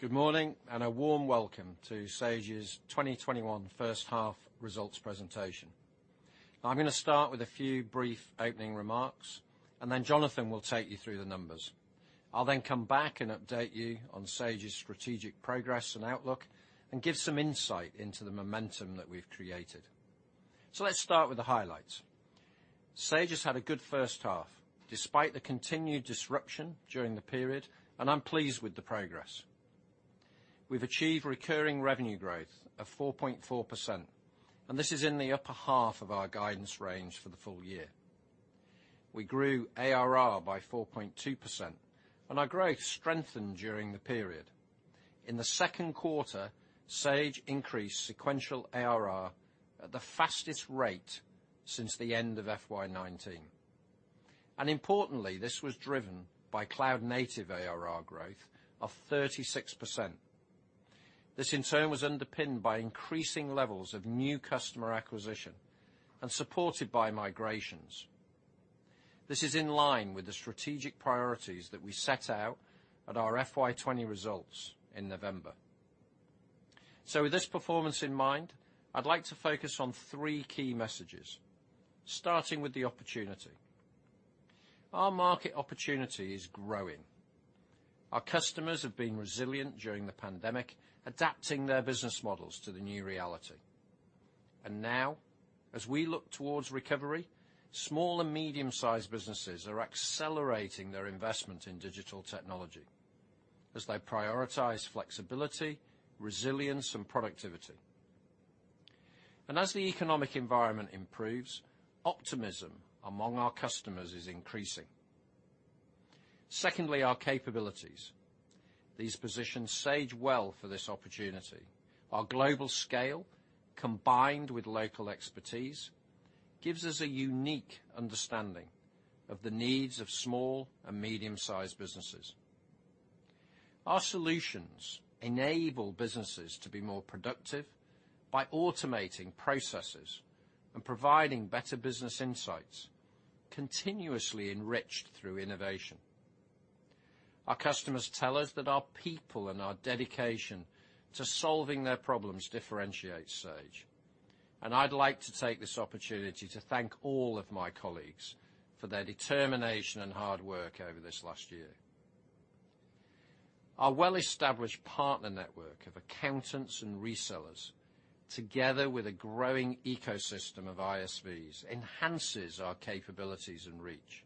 Good morning, and a warm welcome to Sage's 2021 first-half results presentation. I'm going to start with a few brief opening remarks. Jonathan will take you through the numbers. I'll come back and update you on Sage's strategic progress and outlook and give some insight into the momentum that we've created. Let's start with the highlights. Sage has had a good first half despite the continued disruption during the period. I'm pleased with the progress. We've achieved recurring revenue growth of 4.4%. This is in the upper half of our guidance range for the full year. We grew ARR by 4.2%. Our growth strengthened during the period. In the second quarter, Sage increased sequential ARR at the fastest rate since the end of FY 2019. Importantly, this was driven by cloud-native ARR growth of 36%. This, in turn, was underpinned by increasing levels of new customer acquisition and supported by migrations. This is in line with the strategic priorities that we set out at our FY 2020 results in November. With this performance in mind, I'd like to focus on three key messages, starting with the opportunity. Our market opportunity is growing. Our customers have been resilient during the pandemic, adapting their business models to the new reality. Now, as we look toward recovery, small and medium-sized businesses are accelerating their investment in digital technology as they prioritize flexibility, resilience, and productivity. As the economic environment improves, optimism among our customers is increasing. Secondly, our capabilities. These position Sage well for this opportunity. Our global scale, combined with local expertise, gives us a unique understanding of the needs of small and medium-sized businesses. Our solutions enable businesses to be more productive by automating processes and providing better business insights, continuously enriched through innovation. Our customers tell us that our people and our dedication to solving their problems differentiate Sage, and I'd like to take this opportunity to thank all of my colleagues for their determination and hard work over this last year. Our well-established partner network of accountants and resellers, together with a growing ecosystem of ISVs, enhances our capabilities and reach.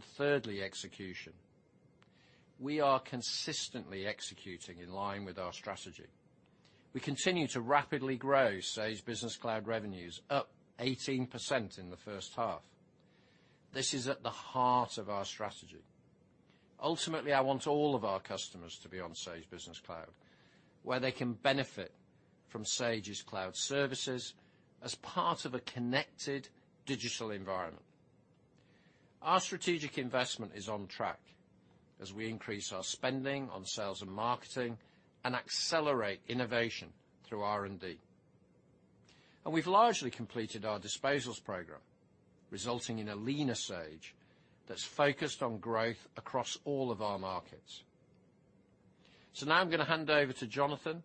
Thirdly, execution. We are consistently executing in line with our strategy. We continue to rapidly grow Sage Business Cloud revenues, up 18% in the first half. This is at the heart of our strategy. Ultimately, I want all of our customers to be on Sage Business Cloud, where they can benefit from Sage's cloud services as part of a connected digital environment. Our strategic investment is on track as we increase our spending on sales and marketing and accelerate innovation through R&D. We've largely completed our disposals program, resulting in a leaner Sage that's focused on growth across all of our markets. Now I'm going to hand it over to Jonathan,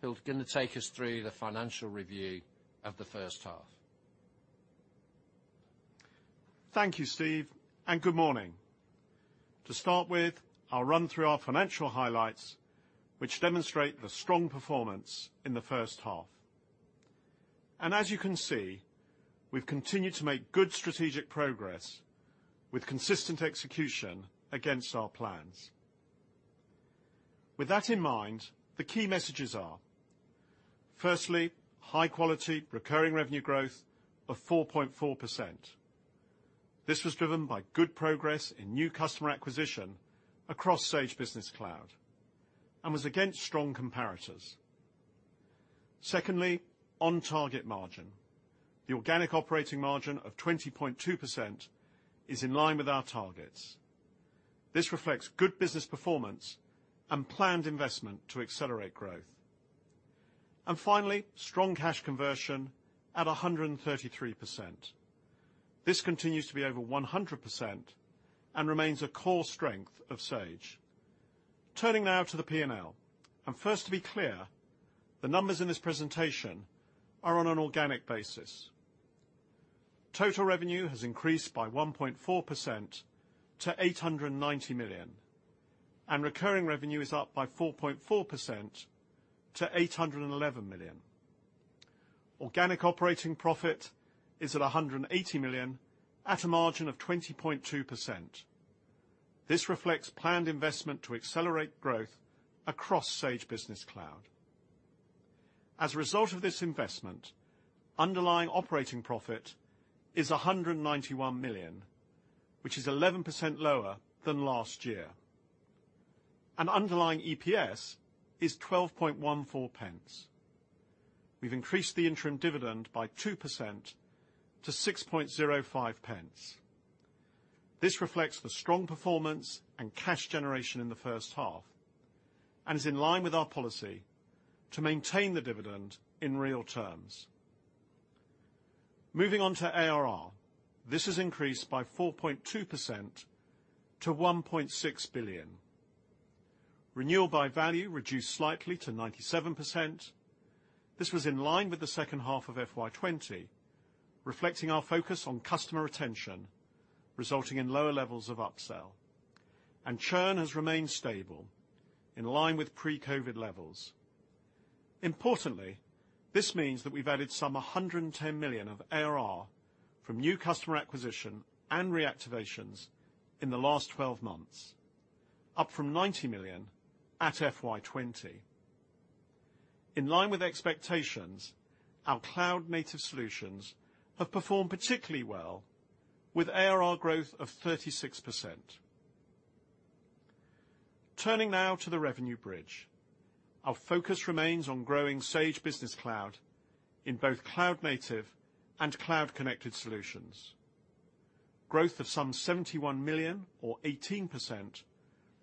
who's going to take us through the financial review of the first half. Thank you, Steve. Good morning. To start with, I'll run through our financial highlights, which demonstrate the strong performance in the first half. As you can see, we've continued to make good strategic progress with consistent execution against our plans. With that in mind, the key messages are, firstly, high-quality recurring revenue growth of 4.4%. This was driven by good progress in new customer acquisition across Sage Business Cloud and was against strong comparators. Secondly, on-target margin. The organic operating margin of 20.2% is in line with our targets. This reflects good business performance and planned investment to accelerate growth. Finally, strong cash conversion at 133%. This continues to be over 100% and remains a core strength of Sage. Turning now to the P&L. First, to be clear, the numbers in this presentation are on an organic basis. Total revenue has increased by 1.4% to 890 million, and recurring revenue is up by 4.4% to 811 million. Organic operating profit is at 180 million, with a margin of 20.2%. This reflects planned investment to accelerate growth across Sage Business Cloud. As a result of this investment, underlying operating profit is 191 million, which is 11% lower than last year. Underlying EPS is 0.1214. We've increased the interim dividend by 2% to 0.0605. This reflects the strong performance and cash generation in the first half and is in line with our policy to maintain the dividend in real terms. Moving on to ARR, this has increased by 4.2% to 1.6 billion. Renewal by value reduced slightly to 97%. This was in line with the second half of FY 2020, reflecting our focus on customer retention, resulting in lower levels of upsell. Churn has remained stable, in line with pre-COVID levels. Importantly, this means that we've added some 110 million of ARR from new customer acquisition and reactivations in the last 12 months, up from 90 million at FY 2020. In line with expectations, our cloud-native solutions have performed particularly well with ARR growth of 36%. Turning now to the revenue bridge, our focus remains on growing Sage Business Cloud in both cloud-native and cloud-connected solutions. Growth of some 71 million, or 18%,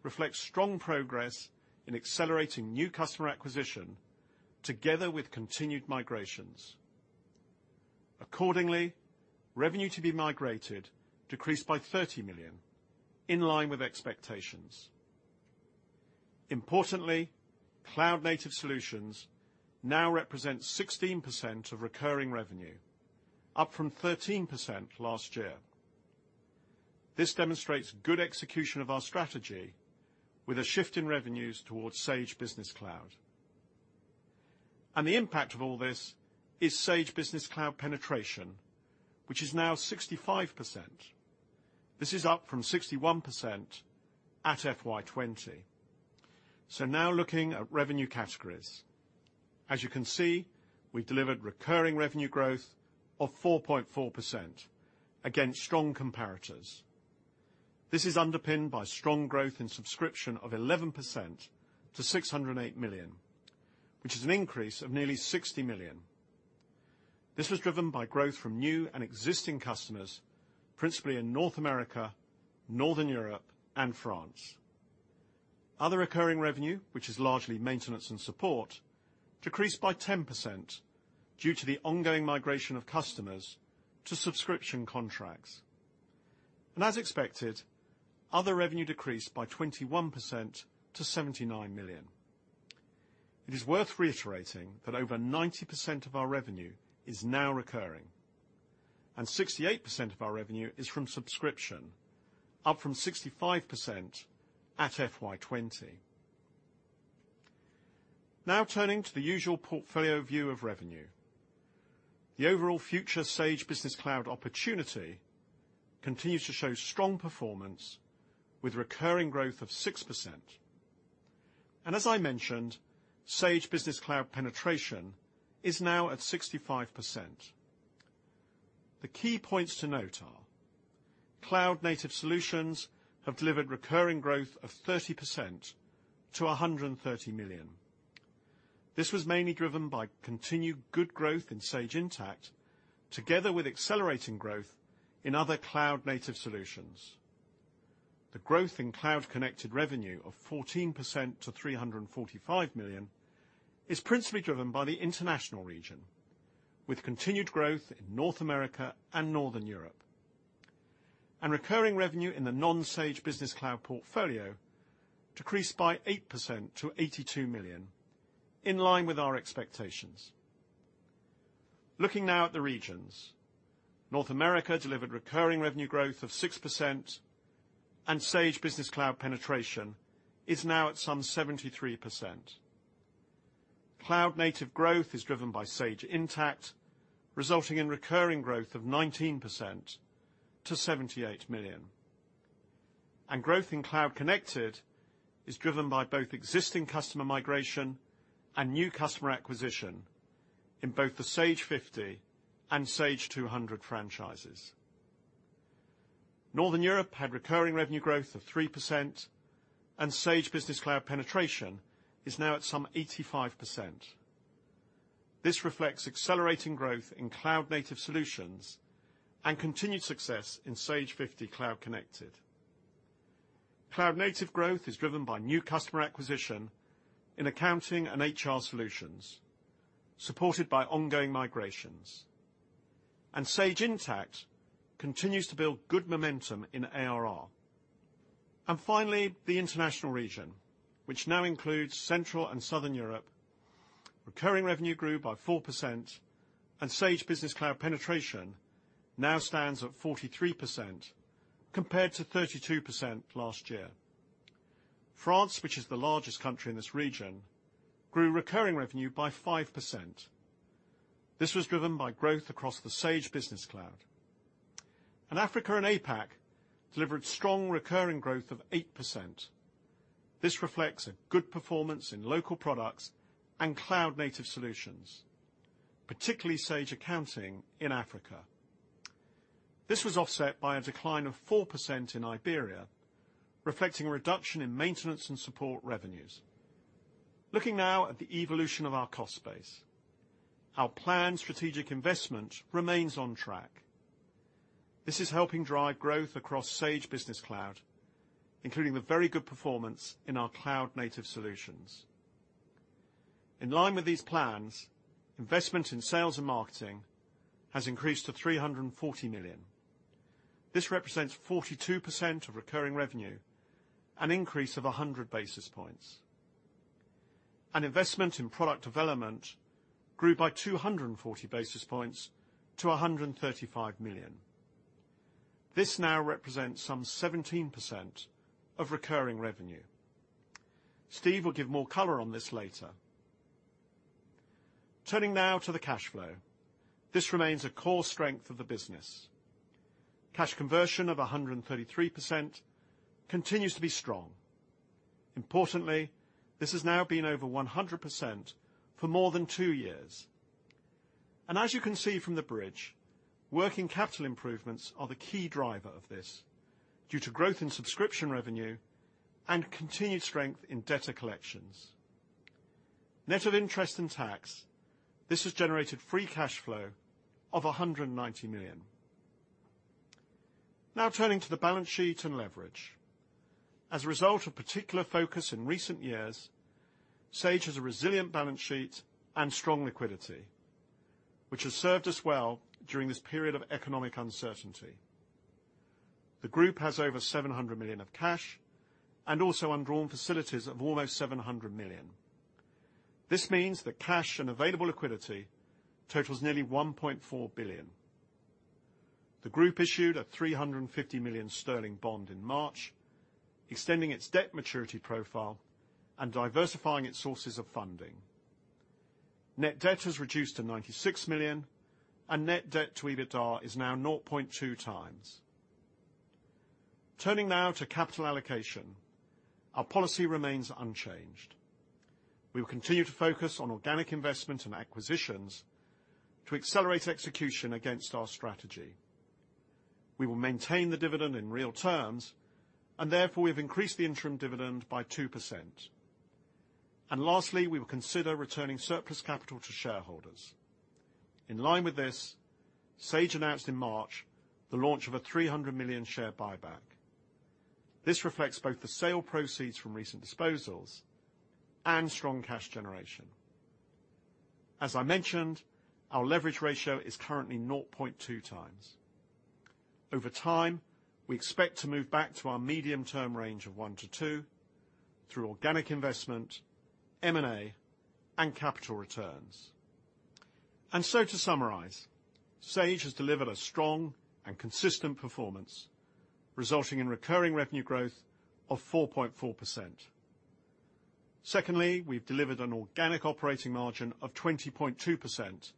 reflects strong progress in accelerating new customer acquisition together with continued migrations. Accordingly, revenue to be migrated decreased by 30 million, in line with expectations. Importantly, cloud-native solutions now represent 16% of recurring revenue, up from 13% last year. This demonstrates good execution of our strategy with a shift in revenues towards Sage Business Cloud. The impact of all this is Sage Business Cloud penetration, which is now 65%. This is up from 61% at FY20. Now looking at revenue categories. As you can see, we've delivered recurring revenue growth of 4.4% against strong comparators. This is underpinned by strong growth in subscriptions of 11% to 608 million, which is an increase of nearly 60 million. This was driven by growth from new and existing customers, principally in North America, Northern Europe, and France. Other recurring revenue, which is largely maintenance and support, decreased by 10% due to the ongoing migration of customers to subscription contracts. As expected, other revenue decreased by 21% to 79 million. It is worth reiterating that over 90% of our revenue is now recurring, and 68% of our revenue is from subscriptions, up from 65% at FY20. Now turning to the usual portfolio view of revenue. The overall future Sage Business Cloud opportunity continues to show strong performance with recurring growth of 6%. As I mentioned, Sage Business Cloud penetration is now at 65%. The key points to note are cloud-native solutions have delivered recurring growth of 30% to 130 million. This was mainly driven by continued good growth in Sage Intacct, together with accelerating growth in other cloud-native solutions. The growth in cloud-connected revenue of 14% to 345 million is principally driven by the international region, with continued growth in North America and Northern Europe. Recurring revenue in the non-Sage Business Cloud portfolio decreased by 8% to 82 million, in line with our expectations. Looking now at the regions, North America delivered recurring revenue growth of 6%, and Sage Business Cloud penetration is now at some 73%. Cloud-native growth is driven by Sage Intacct, resulting in recurring growth of 19% to 78 million. Growth in cloud-connected services is driven by both existing customer migration and new customer acquisition in both the Sage 50 and Sage 200 franchises. Northern Europe had recurring revenue growth of 3%, and Sage Business Cloud penetration is now at some 85%. This reflects accelerating growth in cloud-native solutions and continued success in Sage 50 cloud-connected. Cloud-native growth is driven by new customer acquisition in accounting and HR solutions, supported by ongoing migrations. Sage Intacct continues to build good momentum in ARR. Finally, the international region now includes Central and Southern Europe. Recurring revenue grew by 4%, and Sage Business Cloud penetration now stands at 43%, compared to 32% last year. France, which is the largest country in this region, grew recurring revenue by 5%. This was driven by growth across the Sage Business Cloud. Africa and APAC delivered strong recurring growth of 8%. This reflects good performance in local products and cloud-native solutions, particularly Sage Accounting in Africa. This was offset by a decline of 4% in Iberia, reflecting a reduction in maintenance and support revenues. Looking now at the evolution of our cost base, our planned strategic investment remains on track. This is helping drive growth across Sage Business Cloud, including the very good performance in our cloud-native solutions. In line with these plans, investment in sales and marketing has increased to 340 million. This represents 42% of recurring revenue, an increase of 100 basis points. Investment in product development grew by 240 basis points to 135 million. This now represents some 17% of recurring revenue. Steve will give more color on this later. Turning now to the cash flow, this remains a core strength of the business. Cash conversion of 133% continues to be strong. Importantly, this has now been over 100% for more than two years. As you can see from the bridge, working capital improvements are the key driver of this due to growth in subscription revenue and continued strength in debtor collections. Net of interest and tax, this has generated free cash flow of 190 million. Turning to the balance sheet and leverage, as a result of particular focus in recent years, Sage has a resilient balance sheet and strong liquidity, which has served us well during this period of economic uncertainty. The group has over 700 million of cash and also undrawn facilities of almost 700 million. This means that cash and available liquidity totals nearly 1.4 billion. The group issued a 350 million sterling bond in March, extending its debt maturity profile and diversifying its sources of funding. Net debt has reduced to 96 million, and net debt to EBITDA is now 0.2x. Turning now to capital allocation, our policy remains unchanged. We will continue to focus on organic investment and acquisitions to accelerate execution against our strategy. We will maintain the dividend in real terms, and therefore we've increased the interim dividend by 2%. Lastly, we will consider returning surplus capital to shareholders. In line with this, Sage announced in March the launch of a 300 million share buyback. This reflects both the sale proceeds from recent disposals and strong cash generation. As I mentioned, our leverage ratio is currently 0.2x. Over time, we expect to move back to our medium-term range of 1x to 2x through organic investment, M&A, and capital returns. To summarize, Sage has delivered a strong and consistent performance, resulting in recurring revenue growth of 4.4%. Secondly, we've delivered an organic operating margin of 20.2%,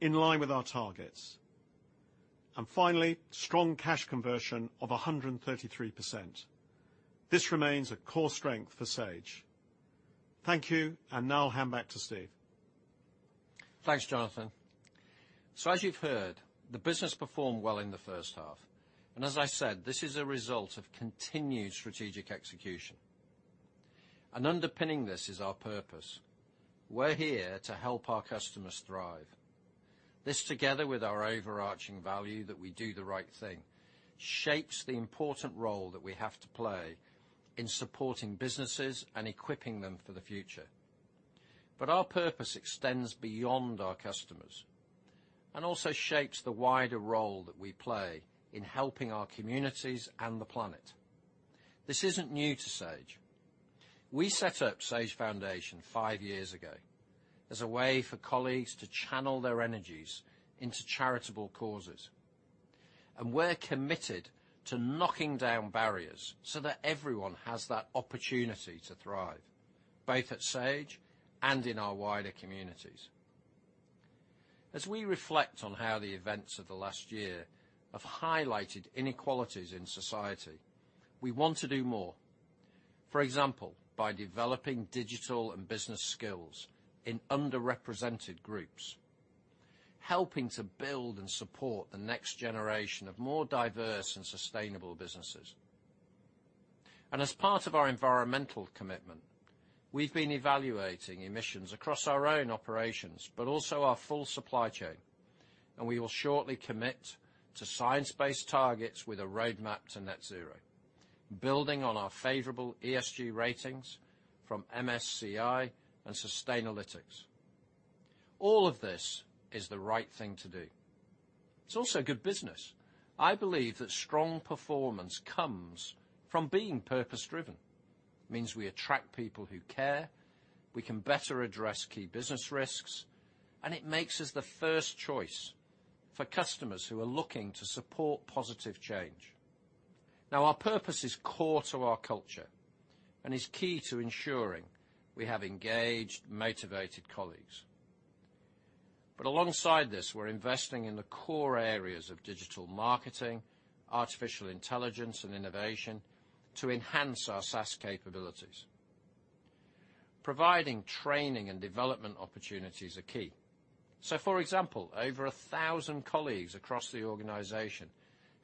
in line with our targets. Finally, strong cash conversion of 133%. This remains a core strength for Sage. Thank you, and now I'll hand back to Steve Hare. Thanks, Jonathan. As you've heard, the business performed well in the first half, and as I said, this is a result of continued strategic execution. Underpinning this is our purpose: We're here to help our customers thrive. This, together with our overarching value that we do the right thing, shapes the important role that we have to play in supporting businesses and equipping them for the future. Our purpose extends beyond our customers and also shapes the wider role that we play in helping our communities and the planet. This isn't new to Sage. We set up Sage Foundation five years ago as a way for colleagues to channel their energies into charitable causes, and we're committed to knocking down barriers so that everyone has the opportunity to thrive, both at Sage and in our wider communities. As we reflect on how the events of the last year have highlighted inequalities in society, we want to do more. For example, by developing digital and business skills in underrepresented groups, we can help to build and support the next generation of more diverse and sustainable businesses. As part of our environmental commitment, we've been evaluating emissions across our own operations, but also our full supply chain, and we will shortly commit to science-based targets with a roadmap to net zero, building on our favorable ESG ratings from MSCI and Sustainalytics. All of this is the right thing to do. It's also good business. I believe that strong performance comes from being purpose-driven. It means we attract people who care, we can better address key business risks, and it makes us the first choice for customers who are looking to support positive change. Our purpose is core to our culture and is key to ensuring we have engaged, motivated colleagues. Alongside this, we're investing in the core areas of digital marketing, artificial intelligence, and innovation to enhance our SaaS capabilities. Providing training and development opportunities is key. For example, over 1,000 colleagues across the organization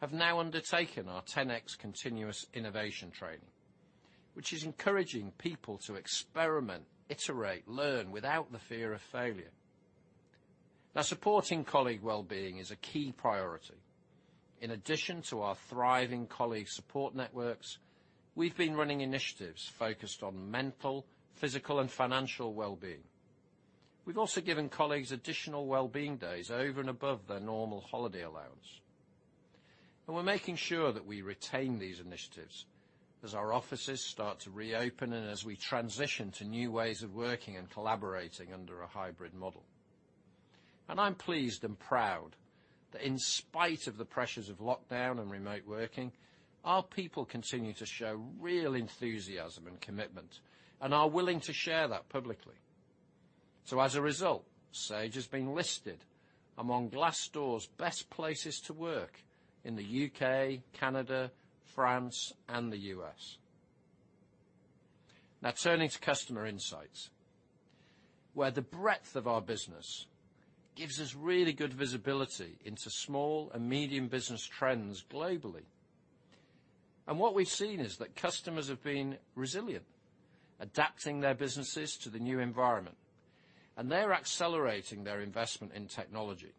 have now undertaken our 10X continuous innovation training, which is encouraging people to experiment, iterate, and learn without the fear of failure. Supporting colleague well-being is a key priority. In addition to our thriving colleague support networks, we've been running initiatives focused on mental, physical, and financial well-being. We've also given colleagues additional well-being days over and above their normal holiday allowance. We're making sure that we retain these initiatives as our offices start to reopen and as we transition to new ways of working and collaborating under a hybrid model. I'm pleased and proud that, in spite of the pressures of lockdown and remote working, our people continue to show real enthusiasm and commitment and are willing to share that publicly. As a result, Sage has been listed among Glassdoor's best places to work in the U.K., Canada, France, and the U.S. Turning to customer insights, the breadth of our business gives us really good visibility into small and medium business trends globally. What we've seen is that customers have been resilient, adapting their businesses to the new environment, and they're accelerating their investment in technology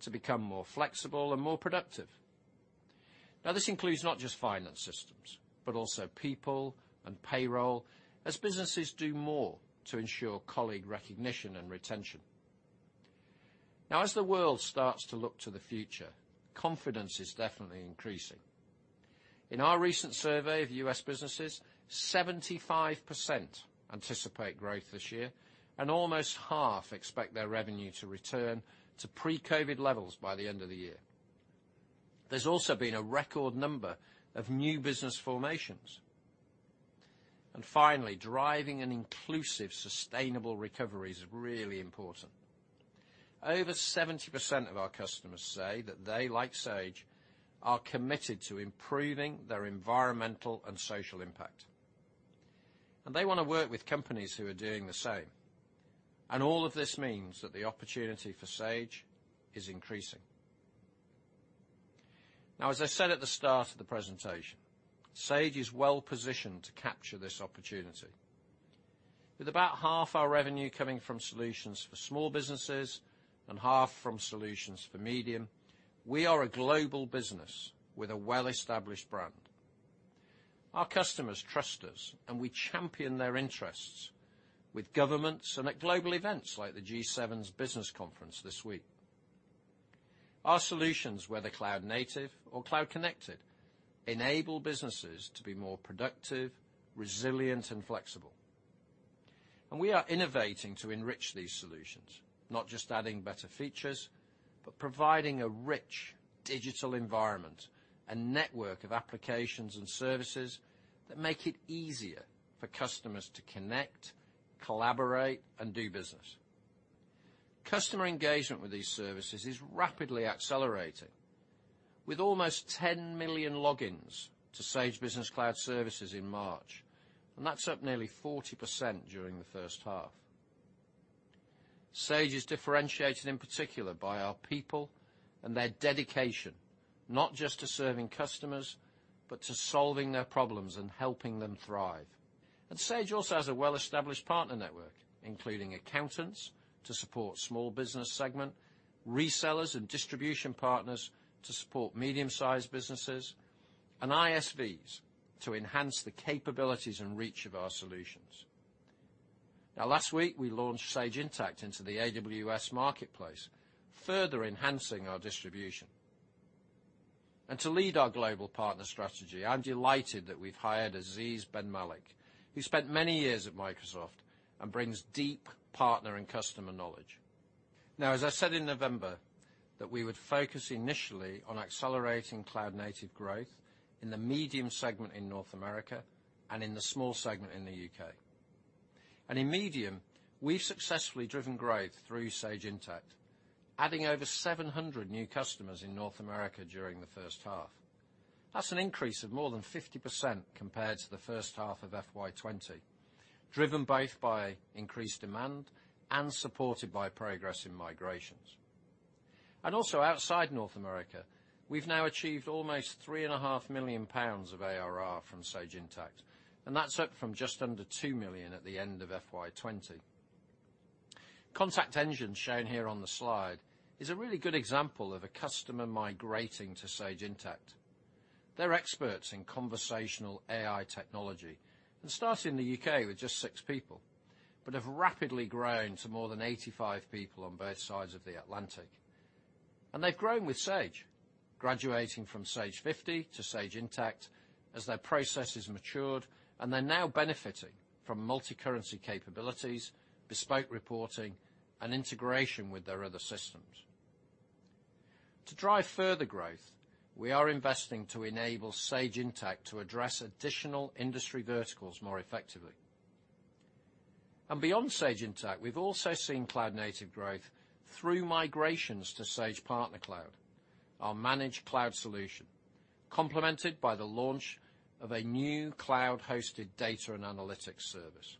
to become more flexible and more productive. This includes not just finance systems, but also people and payroll, as businesses do more to ensure colleague recognition and retention. As the world starts to look to the future, confidence is definitely increasing. In our recent survey of U.S. businesses, 75% anticipate growth this year, and almost half expect their revenue to return to pre-COVID levels by the end of the year. There has also been a record number of new business formations. Finally, driving an inclusive, sustainable recovery is really important. Over 70% of our customers say that they, like Sage, are committed to improving their environmental and social impact. They want to work with companies that are doing the same. All of this means that the opportunity for Sage is increasing. Now, as I said at the start of the presentation, Sage is well-positioned to capture this opportunity. With about half our revenue coming from solutions for small businesses and half from solutions for medium businesses, we are a global business with a well-established brand. Our customers trust us. We champion their interests with governments and at global events like the G7's business conference this week. Our solutions, whether cloud-native or cloud-connected, enable businesses to be more productive, resilient, and flexible. We are innovating to enrich these solutions, not just adding better features, but providing a rich digital environment—a network of applications and services that make it easier for customers to connect, collaborate, and do business. Customer engagement with these services is rapidly accelerating. With almost 10 million logins to Sage Business Cloud services in March, that's up nearly 40% during the first half. Sage is differentiated in particular by our people and their dedication, not just to serving customers, but to solving their problems and helping them thrive. Sage also has a well-established partner network, including accountants to support the small business segment, resellers and distribution partners to support medium-sized businesses, and ISVs to enhance the capabilities and reach of our solutions. Last week, we launched Sage Intacct into the AWS marketplace, further enhancing our distribution. To lead our global partner strategy, I'm delighted that we've hired Aziz Benmalek, who spent many years at Microsoft and brings deep partner and customer knowledge. As I said in November, we would focus initially on accelerating cloud-native growth in the medium segment in North America and in the small segment in the U.K. In the medium segment, we've successfully driven growth through Sage Intacct, adding over 700 new customers in North America during the first half. That's an increase of more than 50% compared to the first half of FY20, driven by increased demand and supported by progress in migrations. Also, outside North America, we've now achieved almost 3.5 million pounds of ARR from Sage Intacct, and that's up from just under 2 million at the end of FY20. ContactEngine, shown here on the slide, is a really good example of a customer migrating to Sage Intacct. They're experts in conversational AI technology and started in the U.K. with just six people but have rapidly grown to more than 85 people on both sides of the Atlantic. They've grown with Sage, graduating from Sage 50 to Sage Intacct as their processes matured, and they're now benefiting from multicurrency capabilities, bespoke reporting, and integration with their other systems. To drive further growth, we are investing to enable Sage Intacct to address additional industry verticals more effectively. Beyond Sage Intacct, we've also seen cloud-native growth through migrations to Sage Partner Cloud, our managed cloud solution, complemented by the launch of a new cloud-hosted data and analytics service.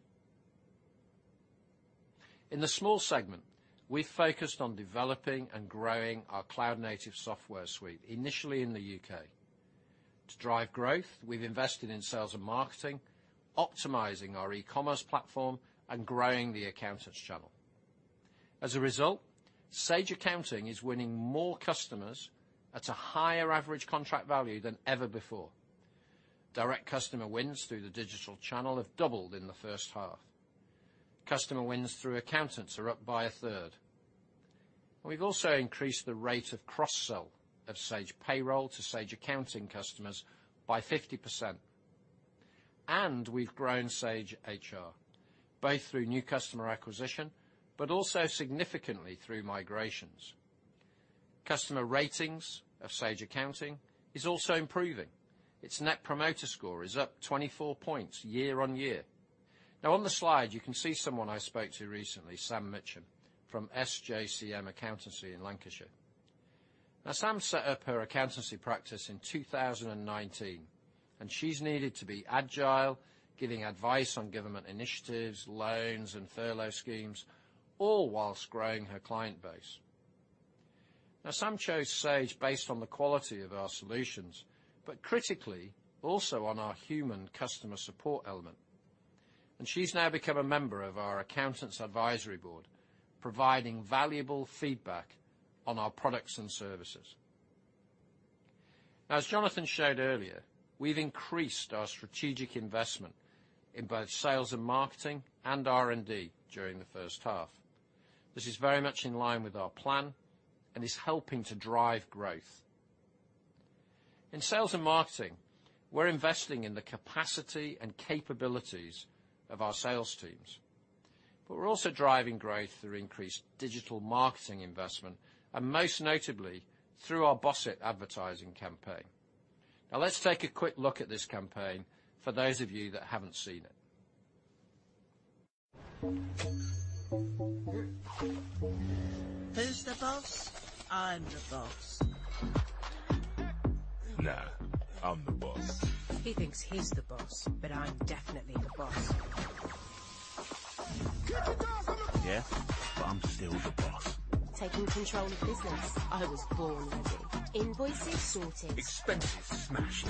In the small segment, we've focused on developing and growing our cloud-native software suite, initially in the U.K. To drive growth, we've invested in sales and marketing, optimizing our e-commerce platform, and growing the accountants' channel. As a result, Sage Accounting is winning more customers at a higher average contract value than ever before. Direct customer wins through the digital channel have doubled in the first half. Customer wins through accountants are up by a third. We've also increased the rate of cross-sell of Sage Payroll to Sage Accounting customers by 50%, and we've grown Sage HR, both through new customer acquisition and significantly through migrations. Customer ratings of Sage Accounting are also improving. Its Net Promoter Score is up 24 points year-on-year. On the slide, you can see someone I spoke to recently, Sam Mitcham, from SJCM Accountancy in Lancashire. Sam set up her accountancy practice in 2019, and she's needed to be agile, giving advice on government initiatives, loans, and furlough schemes, all while growing her client base. Sam chose Sage based on the quality of our solutions, but critically, also on our human customer support element. She's now become a member of our Accountants Advisory Board, providing valuable feedback on our products and services. As Jonathan showed earlier, we've increased our strategic investment in both sales and marketing and R&D during the first half. This is very much in line with our plan and is helping to drive growth. In sales and marketing, we're investing in the capacity and capabilities of our sales teams, but we're also driving growth through increased digital marketing investment, and most notably, through our Boss It advertising campaign. Let's take a quick look at this campaign for those of you who haven't seen it. Who's the boss? I'm the boss. No, I'm the boss. He thinks he's the boss, but I'm definitely the boss. Yeah, I'm still the boss. Taking control of business? I was born ready. Invoices, sorted. Expenses, smashed.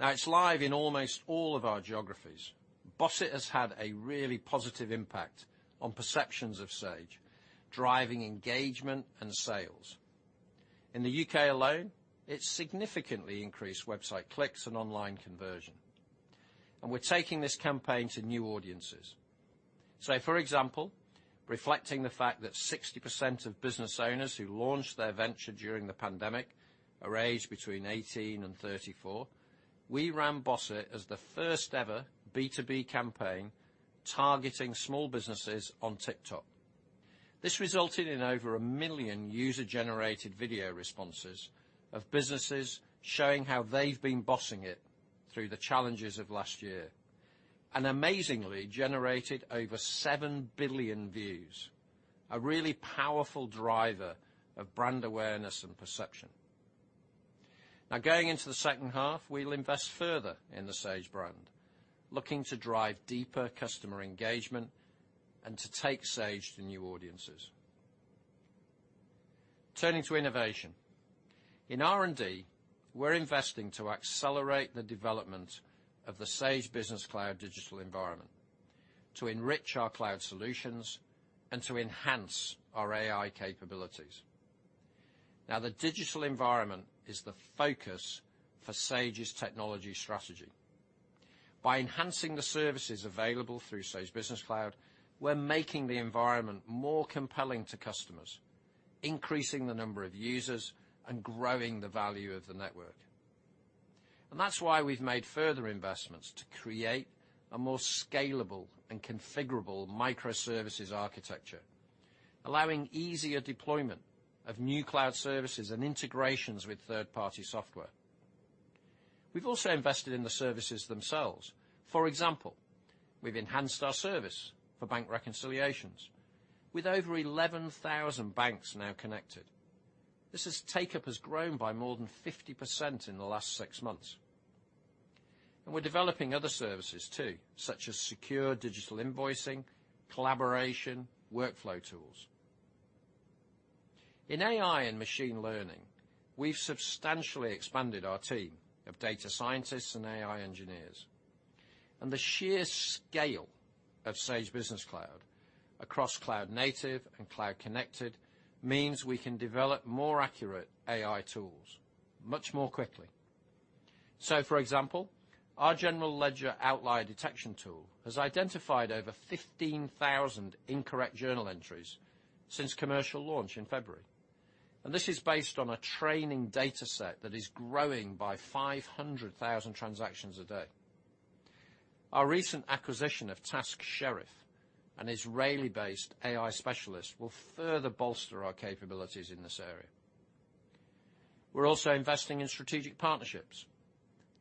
It's live in almost all of our geographies. "Boss It" has had a really positive impact on perceptions of Sage, driving engagement and sales. In the U.K. alone, it's significantly increased website clicks and online conversion. We're taking this campaign to new audiences. For example, reflecting the fact that 60% of business owners who launched their venture during the pandemic are aged between 18 and 34, we ran "Boss It" as the first-ever B2B campaign targeting small businesses on TikTok. This resulted in over 1 million user-generated video responses of businesses showing how they've been bossing it through the challenges of last year. Amazingly, it generated over 7 billion views—a really powerful driver of brand awareness and perception. Going into the second half, we'll invest further in the Sage brand, looking to drive deeper customer engagement and to take Sage to new audiences. Turning to innovation. In R&D, we're investing to accelerate the development of the Sage Business Cloud digital environment, to enrich our cloud solutions, and to enhance our AI capabilities. The digital environment is the focus for Sage's technology strategy. By enhancing the services available through Sage Business Cloud, we're making the environment more compelling to customers, increasing the number of users, and growing the value of the network. That's why we've made further investments to create a more scalable and configurable microservices architecture, allowing easier deployment of new cloud services and integrations with third-party software. We've also invested in the services themselves. For example, we've enhanced our service for bank reconciliations, with over 11,000 banks now connected. This take-up has grown by more than 50% in the last six months. We're developing other services too, such as secure digital invoicing, collaboration, and workflow tools. In AI and machine learning, we've substantially expanded our team of data scientists and AI engineers, and the sheer scale of Sage Business Cloud across cloud-native and cloud-connected means we can develop more accurate AI tools much more quickly. For example, our general ledger outlier detection tool has identified over 15,000 incorrect journal entries since its commercial launch in February. This is based on a training data set that is growing by 500,000 transactions a day. Our recent acquisition of Task Sheriff, an Israeli-based AI specialist, will further bolster our capabilities in this area. We're also investing in strategic partnerships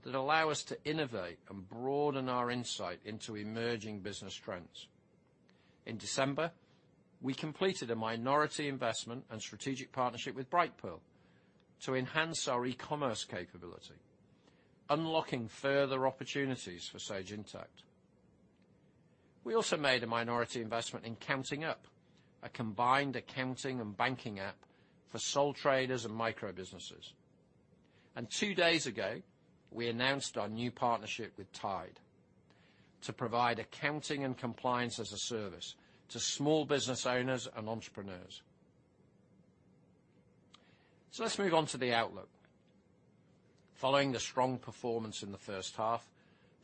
that allow us to innovate and broaden our insight into emerging business trends. In December, we completed a minority investment and strategic partnership with Brightpearl to enhance our e-commerce capability, unlocking further opportunities for Sage Intacct. We also made a minority investment in CountingUp, a combined accounting and banking app for sole traders and micro businesses. Two days ago, we announced our new partnership with Tide to provide accounting and compliance as a service to small business owners and entrepreneurs. Let's move on to the outlook. Following the strong performance in the first half,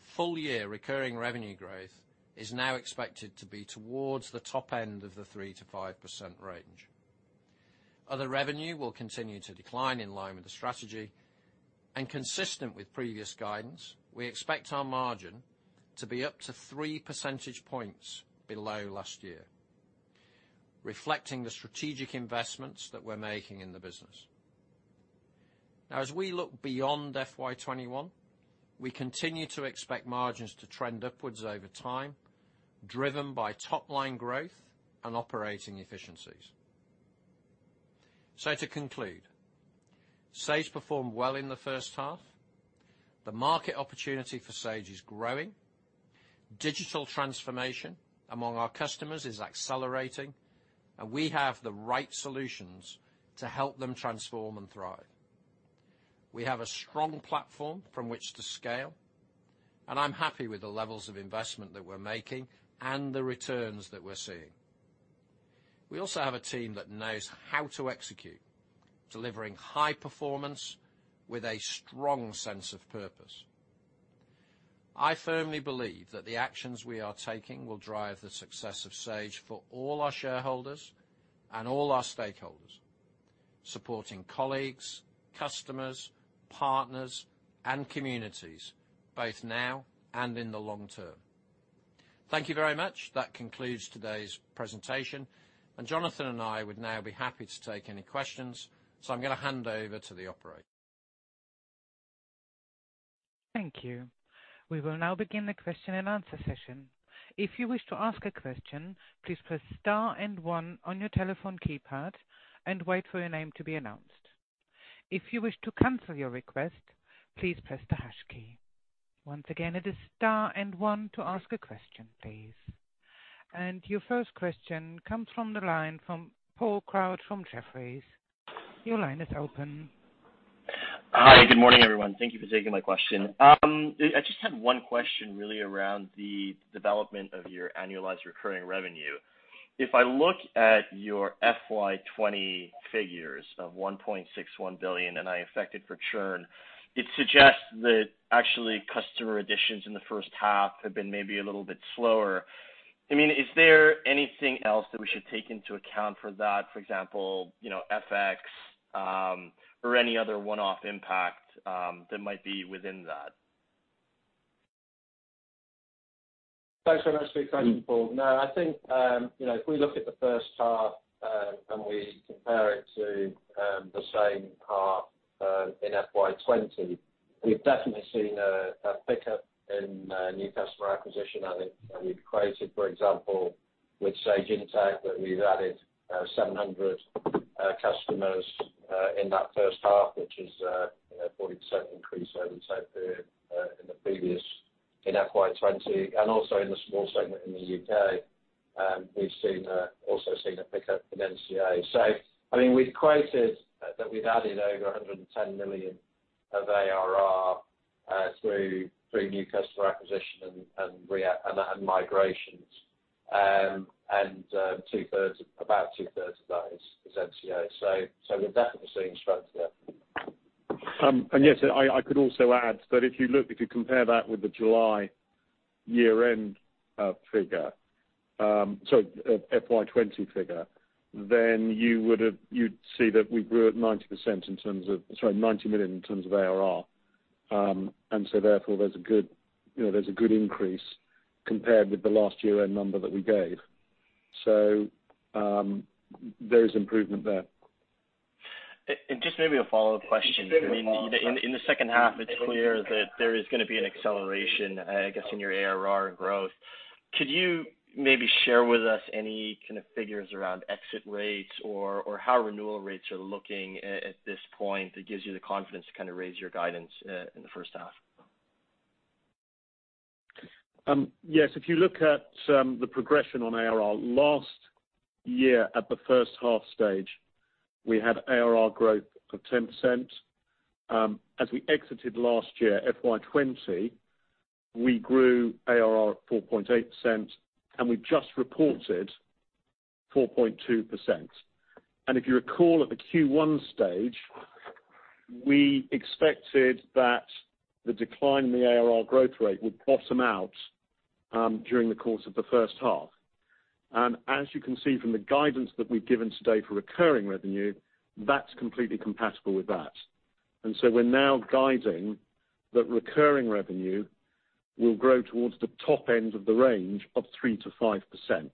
full-year recurring revenue growth is now expected to be towards the top end of the 3%-5% range. Other revenue will continue to decline in line with the strategy. Consistent with previous guidance, we expect our margin to be up to three percentage points below last year, reflecting the strategic investments that we're making in the business. Now, as we look beyond FY 2021, we continue to expect margins to trend upwards over time, driven by top-line growth and operating efficiencies. To conclude, Sage performed well in the first half. The market opportunity for Sage is growing. Digital transformation among our customers is accelerating, and we have the right solutions to help them transform and thrive. We have a strong platform from which to scale, and I'm happy with the levels of investment that we're making and the returns that we're seeing. We also have a team that knows how to execute, delivering high performance with a strong sense of purpose. I firmly believe that the actions we are taking will drive the success of Sage for all our shareholders and all our stakeholders, supporting colleagues, customers, partners, and communities, both now and in the long term. Thank you very much. That concludes today's presentation, and Jonathan and I would now be happy to take any questions. I'm going to hand over to the operator. Thank you. We will now begin the question and answer session. If you wish to ask a question, please press star and one on your telephone keypad and wait for your name to be announced. If you wish to cancel your request, please press the hash key. Once again, it is star and one to ask a question, please. Your first question comes from the line of Paul Kratz from Jefferies. Your line is open. Hi, good morning, everyone. Thank you for taking my question. I just had one question really around the development of your annualized recurring revenue. If I look at your FY20 figures of 1.61 billion, and I factor in churn, it suggests that customer additions in the first half have been maybe a little bit slower. Is there anything else that we should take into account for that, for example, FX, or any other one-off impact that might be within that? Thanks very much for your question, Paul. I think, if we look at the first half and compare it to the same half in FY 2020, we've definitely seen a pickup in new customer acquisition. I think we've quoted, for example, with Sage Intacct, that we've added 700 customers in that first half, which is a 40% increase over the same period in the previous FY 2020. Also in the small segment in the U.K., we've also seen a pickup in NCA. We've quoted that we've added over 110 million of ARR through new customer acquisition and migrations. About two-thirds of that is NCA. We're definitely seeing strength there. Yes, I could also add that if you compare that with the July year-end FY 2020 figure, you'd see that we grew at 90 million in terms of ARR. Therefore, there's a good increase compared with the last year-end number that we gave. There is improvement there. Just maybe a follow-up question. In the second half, it is clear that there is going to be an acceleration, I guess, in your ARR growth. Could you maybe share with us any kind of figures around exit rates or how renewal rates are looking at this point that gives you the confidence to raise your guidance in the first half? Yes, if you look at the progression of ARR, last year at the first-half stage, we had ARR growth of 10%. As we exited last year, FY 2020, we grew ARR at 4.8%, and we just reported 4.2%. If you recall at the Q1 stage, we expected that the decline in the ARR growth rate would bottom out during the course of the first half. As you can see from the guidance that we've given today for recurring revenue, that's completely compatible with that. We're now guiding that recurring revenue will grow towards the top end of the 3%-5% range.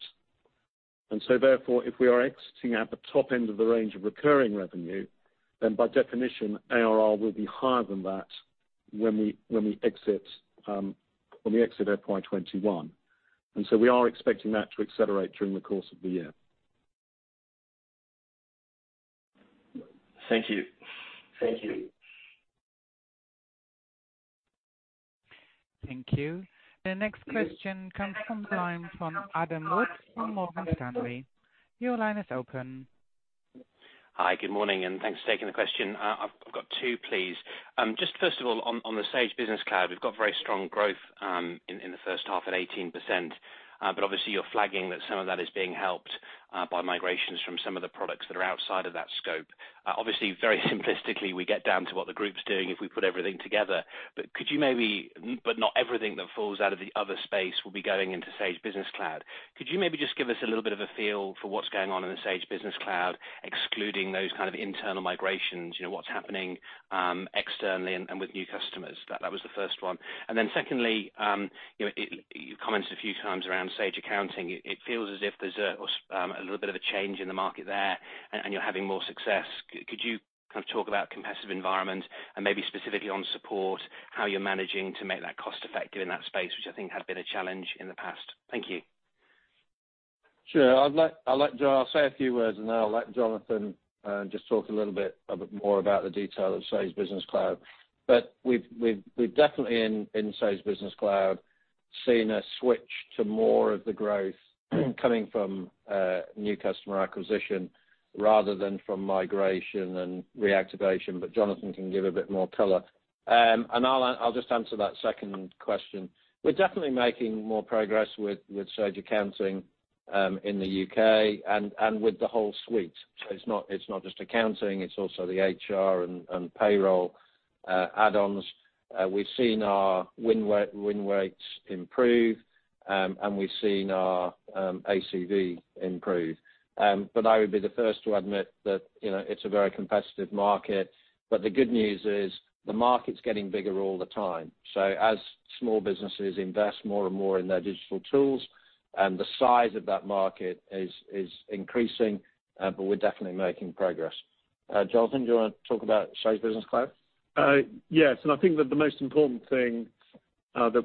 Therefore, if we are exiting at the top end of the range of recurring revenue, then by definition ARR will be higher than that when we exit FY 2021. We are expecting that to accelerate during the course of the year. Thank you. Thank you. Thank you. The next question comes from the line from Adam Wood from Morgan Stanley. Your line is open. Hi, good morning. Thanks for taking the question. I've got two, please. First of all, regarding Sage Business Cloud, we've seen very strong growth in the first half at 18%. However, you're flagging that some of that is being helped by migrations from products outside of that scope. Obviously, very simplistically, we can look at what the group is doing if we put everything together. Not everything that falls out of the other space will be going into Sage Business Cloud. Could you maybe just give us a little bit of a feel for what's going on in Sage Business Cloud, excluding those internal migrations—what's happening externally and with new customers? That was the first one. Then secondly, you commented a few times about Sage Accounting. It feels as if there's a little bit of a change in the market there, and you're having more success. Could you talk about the competitive environment and maybe specifically on support, how you're managing to make that cost-effective in that space, which I think has been a challenge in the past? Thank you. Sure. I'll say a few words, and then I'll let Jonathan talk a little bit more about the details of Sage Business Cloud. We've definitely seen a switch in Sage Business Cloud to more of the growth coming from new customer acquisition rather than from migration and reactivation, but Jonathan can give a bit more color. I'll just answer that second question. We're definitely making more progress with Sage Accounting in the U.K. and with the whole suite. It's not just accounting; it's also the HR and payroll add-ons. We've seen our win rates improve, and we've seen our ACV improve. I would be the first to admit that it's a very competitive market, but the good news is the market's getting bigger all the time. As small businesses invest more and more in their digital tools, the size of that market is increasing, but we're definitely making progress. Jonathan, do you want to talk about Sage Business Cloud? Yes, I think the most important thing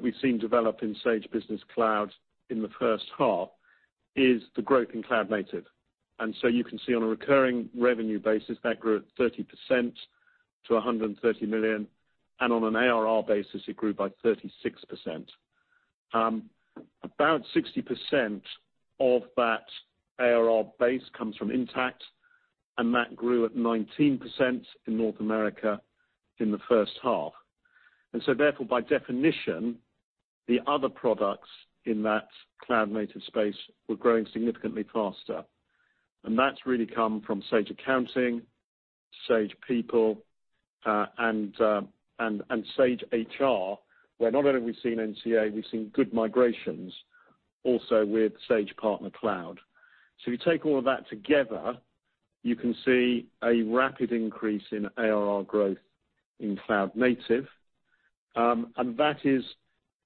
we've seen develop in Sage Business Cloud in the first half is the growth in cloud native. You can see on a recurring revenue basis that grew at 30% to 130 million, and on an ARR basis, it grew by 36%. About 60% of that ARR base comes from Intacct, and that grew at 19% in North America in the first half. Therefore, by definition, the other products in that cloud-native space were growing significantly faster. That's really come from Sage Accounting, Sage People, and Sage HR, where not only have we seen NCA, we've also seen good migrations with Sage Partner Cloud. You take all of that together, you can see a rapid increase in ARR growth in cloud-native, and that is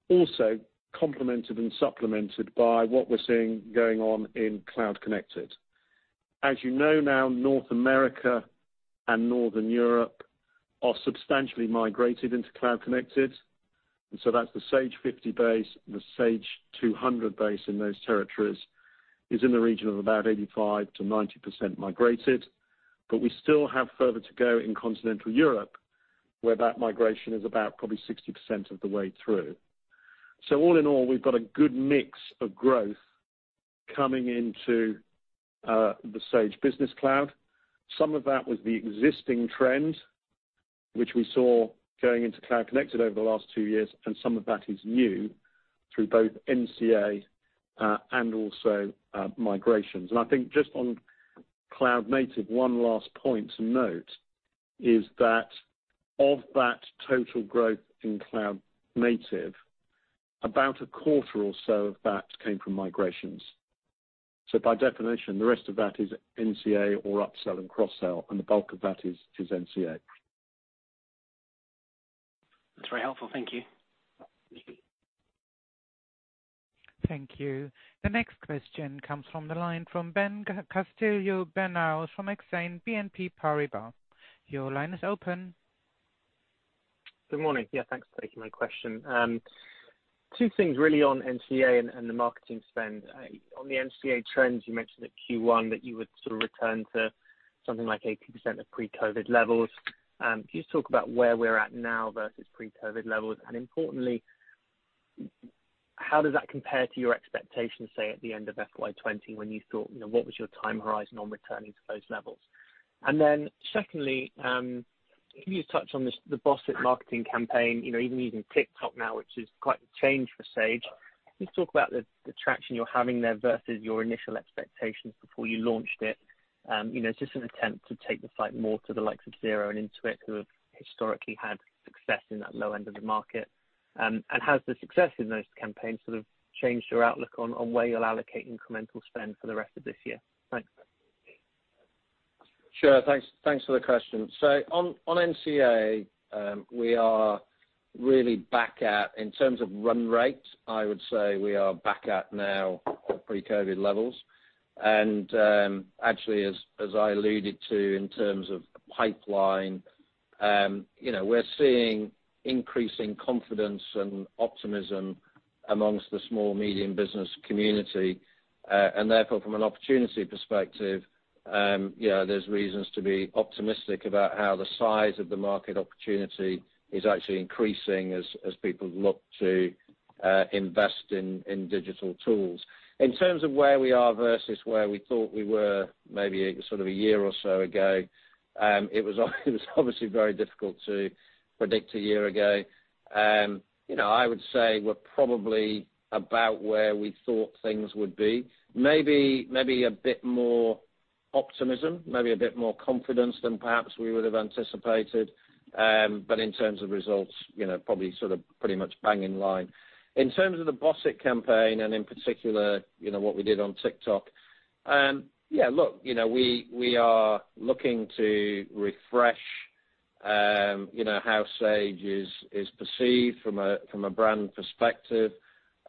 also complemented and supplemented by what we're seeing going on in cloud-connected. As you know now, North America and Northern Europe are substantially migrated into cloud-connected. That's the Sage 50 base, the Sage 200 base in those territories is in the region of about 85%-90% migrated. We still have further to go in continental Europe, where that migration is probably about 60% of the way through. All in all, we've got a good mix of growth coming into the Sage Business Cloud. Some of that was the existing trend, which we saw going into cloud-connected over the last two years, and some of that is new through both NCA and also migrations. I think, just on cloud native, one last point to note is that of the total growth in cloud native, about a quarter or so came from migrations. By definition, the rest of that is NCA or upsell and cross-sell, and the bulk of that is NCA. That's very helpful. Thank you. Thank you. The next question comes from the line from Ben Castillo-Bernaus from Exane BNP Paribas. Your line is open. Good morning. Yes, thanks for taking my question. Two things really on NCA and the marketing spend. On the NCA trends, you mentioned in Q1 that you would sort of return to something like 80% of pre-COVID levels. Can you just talk about where we are now versus pre-COVID levels? Importantly, how does that compare to your expectations, say, at the end of FY 2020 when you thought, what was your time horizon on returning to those levels? Secondly, can you touch on the "Boss It" marketing campaign, even using TikTok now, which is quite the change for Sage. Can you just talk about the traction you're having there versus your initial expectations before you launched it? It's just an attempt to take the fight more to the likes of Xero and Intuit, who have historically had success in that low end of the market. Has the success in those campaigns sort of changed your outlook on where you'll allocate incremental spend for the rest of this year? Thanks. Sure. Thanks for the question. On NCA, we are really back at, in terms of run rate, I would say we are back at pre-COVID levels now. Actually, as I alluded to in terms of the pipeline, we're seeing increasing confidence and optimism among the small to medium business community. Therefore, from an opportunity perspective, there are reasons to be optimistic about how the size of the market opportunity is actually increasing as people look to invest in digital tools. In terms of where we are versus where we thought we were, maybe a year or so ago, it was obviously very difficult to predict a year ago. I would say we're probably about where we thought things would be. Maybe a bit more optimism, maybe a bit more confidence than perhaps we would have anticipated. In terms of results, it's probably pretty much in line. In terms of the "Boss It" campaign, and in particular what we did on TikTok, we are looking to refresh how Sage is perceived from a brand perspective.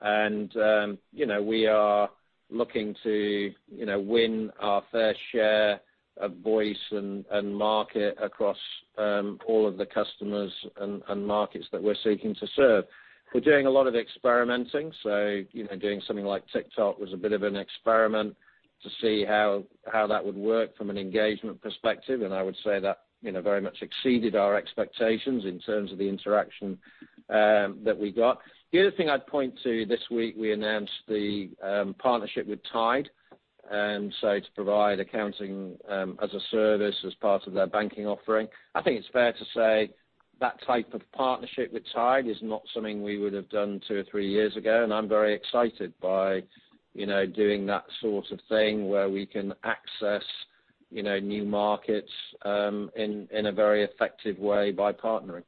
We are looking to win our fair share of voice and market across all of the customers and markets that we're seeking to serve. We're doing a lot of experimenting, so doing something like TikTok was a bit of an experiment to see how that would work from an engagement perspective, and I would say that very much exceeded our expectations in terms of the interaction that we got. The other thing I'd point to this week is that we announced the partnership with Tide to provide accounting as a service as part of their banking offering. I think it's fair to say that type of partnership with Tide is not something we would have done two or three years ago. I'm very excited by doing that sort of thing, where we can access new markets in a very effective way by partnering.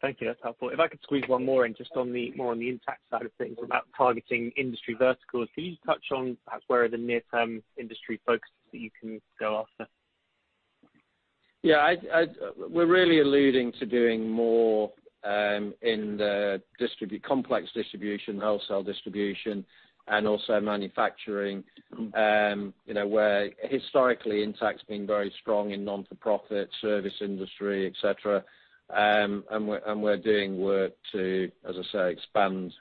Thank you. That's helpful. If I could squeeze one more in, just more on the Sage Intacct side of things about targeting industry verticals. Can you touch on perhaps where the near-term industry focus is that you can go after? Yeah. We're really alluding to doing more in complex distribution, wholesale distribution, and also manufacturing, where historically Intacct has been very strong in the nonprofit service industry, et cetera. We're doing work to, as I say, expand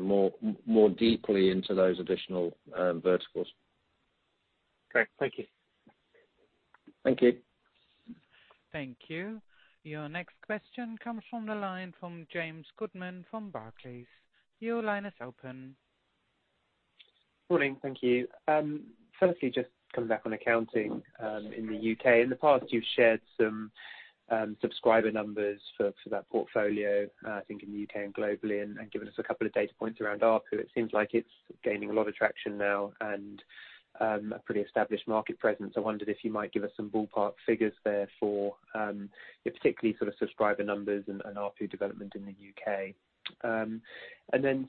more deeply into those additional verticals. Great, thank you. Thank you. Thank you. Your next question comes from the line from James Goodman from Barclays. Your line is open. Morning. Thank you. Firstly, just coming back to Sage Accounting in the U.K. In the past, you've shared some subscriber numbers for that portfolio, I think in the U.K. and globally, and given us a couple of data points around ARPU. It seems like it's gaining a lot of traction now and has a pretty established market presence. I wondered if you might give us some ballpark figures there, particularly for subscriber numbers and ARPU development in the U.K.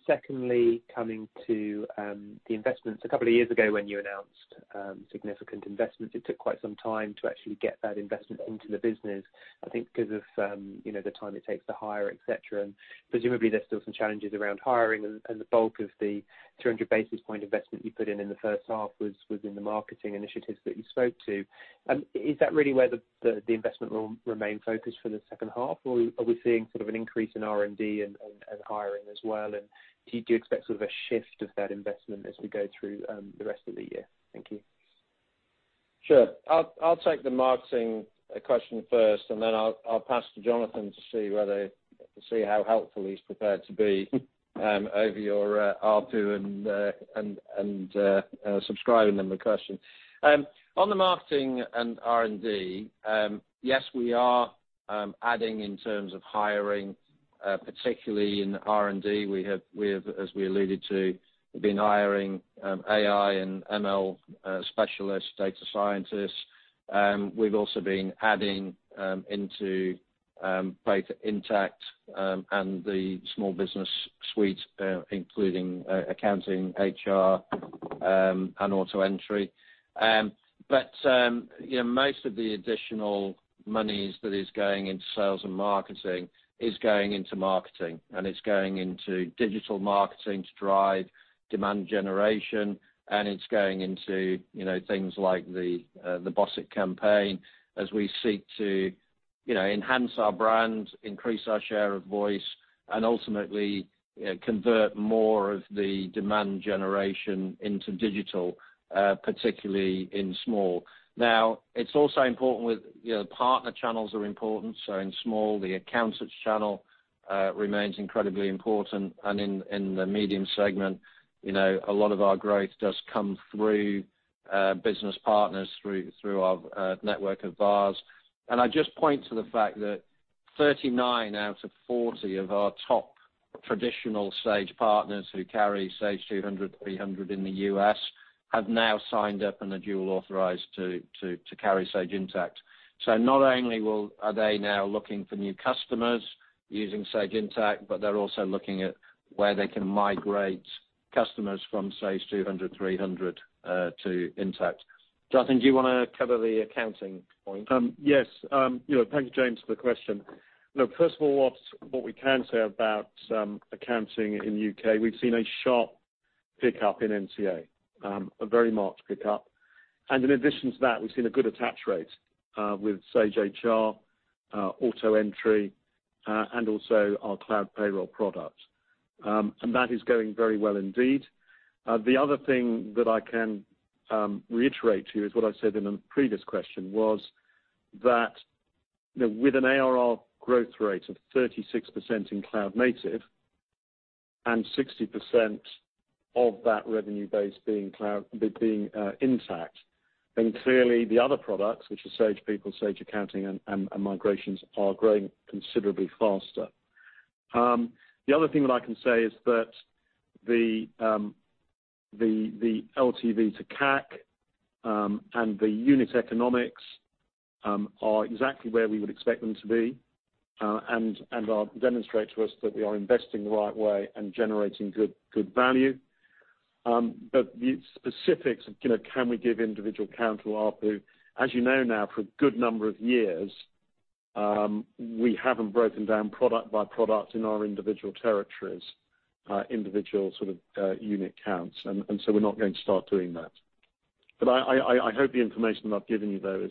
Secondly, coming to the investments. A couple of years ago, when you announced significant investments, it took quite some time to actually get that investment into the business, I think because of the time it takes to hire, et cetera. Presumably, there are still some challenges around hiring, and the bulk of the 300 basis point investment you put in in the first half was in the marketing initiatives that you spoke of. Is that really where the investment will remain focused for the second half, or are we seeing an increase in R&D and hiring as well? Do you expect a shift of that investment as we go through the rest of the year? Thank you. Sure. I'll take the marketing question first, and then I'll pass it to Jonathan to see how helpful he's prepared to be regarding your ARPU and subscriber number question. On marketing and R&D, yes, we are adding in terms of hiring, particularly in R&D. As we alluded to, we have been hiring AI and ML specialists and data scientists. We've also been adding to both Intacct and the small business suite, including Sage Accounting, Sage HR, and AutoEntry. Most of the additional money going into sales and marketing is going into marketing, specifically digital marketing, to drive demand generation. It's going into things like the "Boss It" campaign as we seek to enhance our brand, increase our share of voice, and ultimately convert more of the demand generation into digital, particularly for small businesses. Partner channels are also important, so in small businesses, the accounts channel remains incredibly important. In the medium segment, a lot of our growth comes through business partners via our network of VARs. I just want to point out that 39 out of 40 of our top traditional Sage partners who carry Sage 200 and 300 in the U.S. have now signed up and are dual-authorized to carry Sage Intacct. Not only are they now looking for new customers, but they are also expanding their offerings. Using Sage Intacct, but they're also looking at where they can migrate customers from Sage 200, Sage 300 to Intacct. Jonathan, do you want to cover the accounting point? Yes. Thank you, James, for the question. First of all, regarding accounting in the U.K., we've seen a sharp, very marked pickup in NCA. In addition to that, we've seen a good attach rate with Sage HR, AutoEntry, and also our cloud payroll product. That is going very well indeed. The other thing I can reiterate to you is what I said in the previous question: with an ARR growth rate of 36% in cloud native and 60% of that revenue base being Intacct, clearly the other products, which are Sage People, Sage Accounting, and migrations, are growing considerably faster. The other thing I can say is that the LTV to CAC and the unit economics are exactly where we would expect them to be and are demonstrating to us that we are investing the right way and generating good value. As you know, for a good number of years now, we haven't broken down product by product in our individual territories, individual unit counts, so we cannot give specifics on individual counts or ARPU. We're not going to start doing that. I hope the information I've given you, though,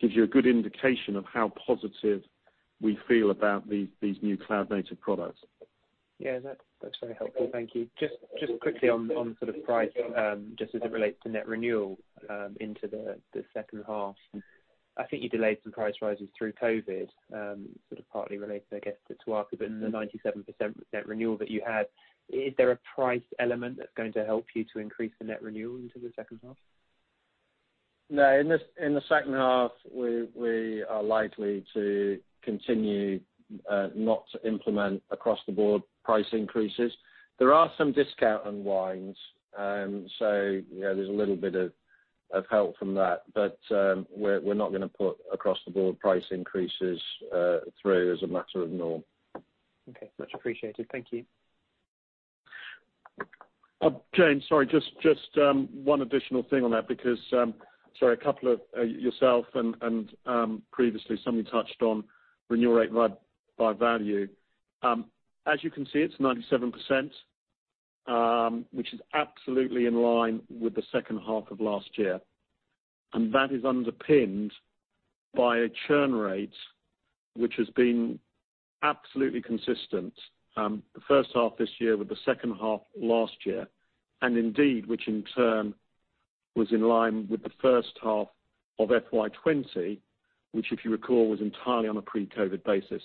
gives you a good indication of how positive we feel about these new cloud-native products. Yeah. That's very helpful. Thank you. Just quickly on sort of price, just as it relates to net renewal into the second half. I think you delayed some price rises through COVID, sort of partly related, I guess, to ARPU, but in the 97% net renewal that you had, is there a price element that's going to help you to increase the net renewal into the second half? In the second half, we are likely to continue not implementing across-the-board price increases. There are some discount unwinds, so there's a little bit of help from that. We're not going to put across-the-board price increases through as a matter of norm. Okay. Much appreciated. Thank you. James, sorry, just one additional thing on that, because, sorry, a couple of you, yourself and previously somebody, touched on renewal rate by value. As you can see, it's 97%, which is absolutely in line with the second half of last year. That is underpinned by a churn rate, which has been absolutely consistent in the first half of this year with the second half of last year, which in turn was in line with the first half of FY 2020, which, if you recall, was entirely on a pre-COVID basis.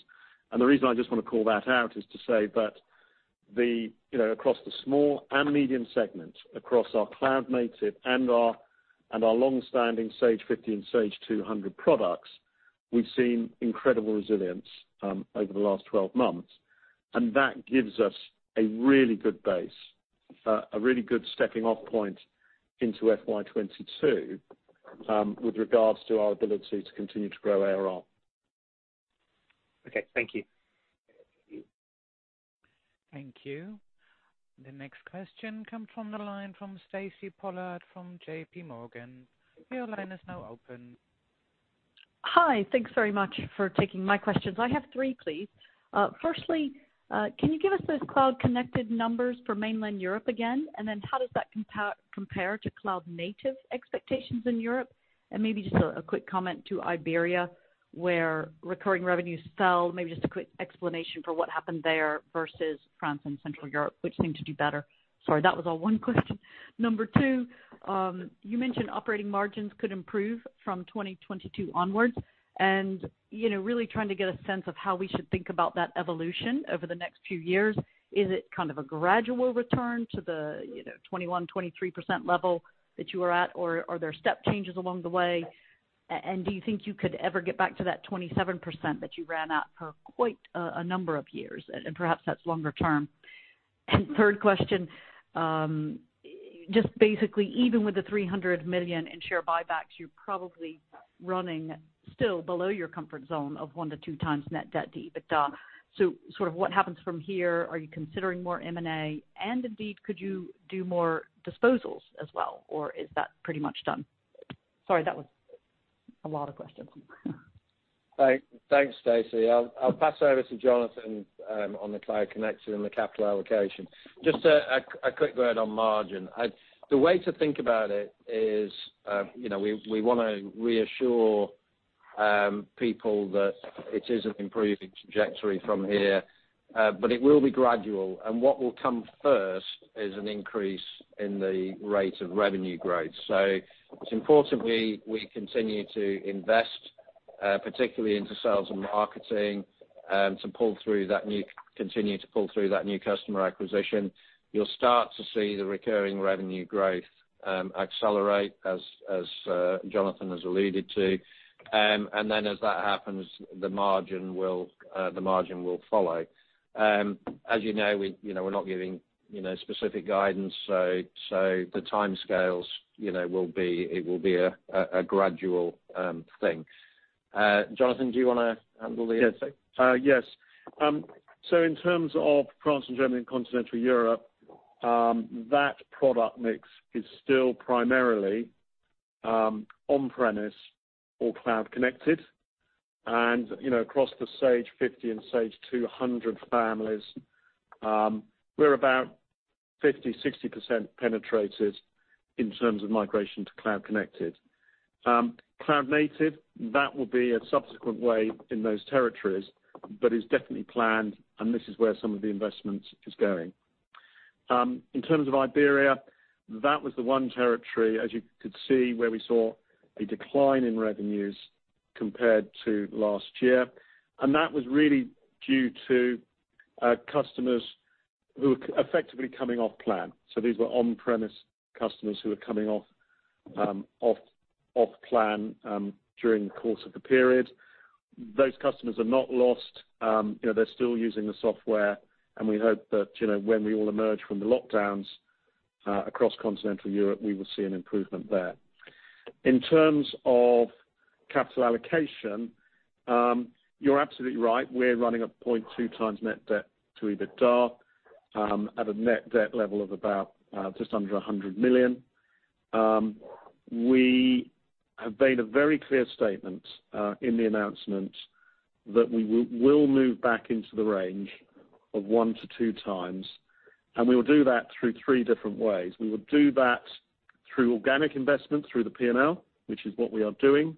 The reason I just want to call that out is to say that across the small and medium segments, across our cloud-native and our longstanding Sage 50 and Sage 200 products, we've seen incredible resilience over the last 12 months. That gives us a really good base, a really good stepping-off point into FY22, with regards to our ability to continue to grow ARR. Okay. Thank you. Thank you. The next question comes from the line from Stacy Pollard from J.P. Morgan. Your line is now open. Hi. Thanks very much for taking my questions. I have 3, please. Firstly, can you give us those cloud-connected numbers for mainland Europe again? How does that compare to cloud-native expectations in Europe? Maybe just a quick comment on Iberia, where recurring revenues fell, perhaps a quick explanation for what happened there versus France and Central Europe, which seemed to do better. Sorry, that was all one question. Number 2, you mentioned operating margins could improve from 2022 onwards, really trying to get a sense of how we should think about that evolution over the next few years. Is it kind of a gradual return to the 21%-23% level that you are at, or are there step changes along the way? Do you think you could ever get back to that 27% that you ran at for quite a number of years? Perhaps that's longer term. Third question, just basically, even with the 300 million in share buybacks, you're probably still running below your comfort zone of one to two times net debt to EBITDA. What happens from here? Are you considering more M&A, and indeed, could you do more disposals as well, or is that pretty much done? Sorry, that was a lot of questions. Thanks, Stacy. I'll pass over to Jonathan on the cloud-connected and the capital allocation. Just a quick word on margin. The way to think about it is we want to reassure people that it is an improving trajectory from here, but it will be gradual. What will come first is an increase in the rate of revenue growth. It's important that we continue to invest, particularly in sales and marketing, to continue to pull through that new customer acquisition. You'll start to see the recurring revenue growth accelerate as Jonathan has alluded to. Then as that happens, the margin will follow. As you know, we're not giving specific guidance, so regarding the timescales, it will be a gradual thing. Jonathan, do you want to handle that? Yes. In terms of France, Germany, and continental Europe, that product mix is still primarily on-premise or cloud-connected. Across the Sage 50 and Sage 200 families, we're about 50%-60% penetrated in terms of migration to cloud-connected. Cloud-native will be a subsequent wave in those territories, but it is definitely planned, and this is where some of the investment is going. In terms of Iberia, that was the one territory, as you could see, where we saw a decline in revenues compared to last year. That was really due to customers who were effectively coming off plan. These were on-premise customers who were coming off plan during the course of the period. Those customers are not lost. They're still using the software, and we hope that when we all emerge from the lockdowns across continental Europe, we will see an improvement there. In terms of capital allocation, you're absolutely right. We're running a 0.2 times net debt to EBITDA at a net debt level of about just under 100 million. We have made a very clear statement in the announcement that we will move back into the range of 1-2 times, and we will do that through three different ways. We will do that through organic investment, through the P&L, which is what we are doing.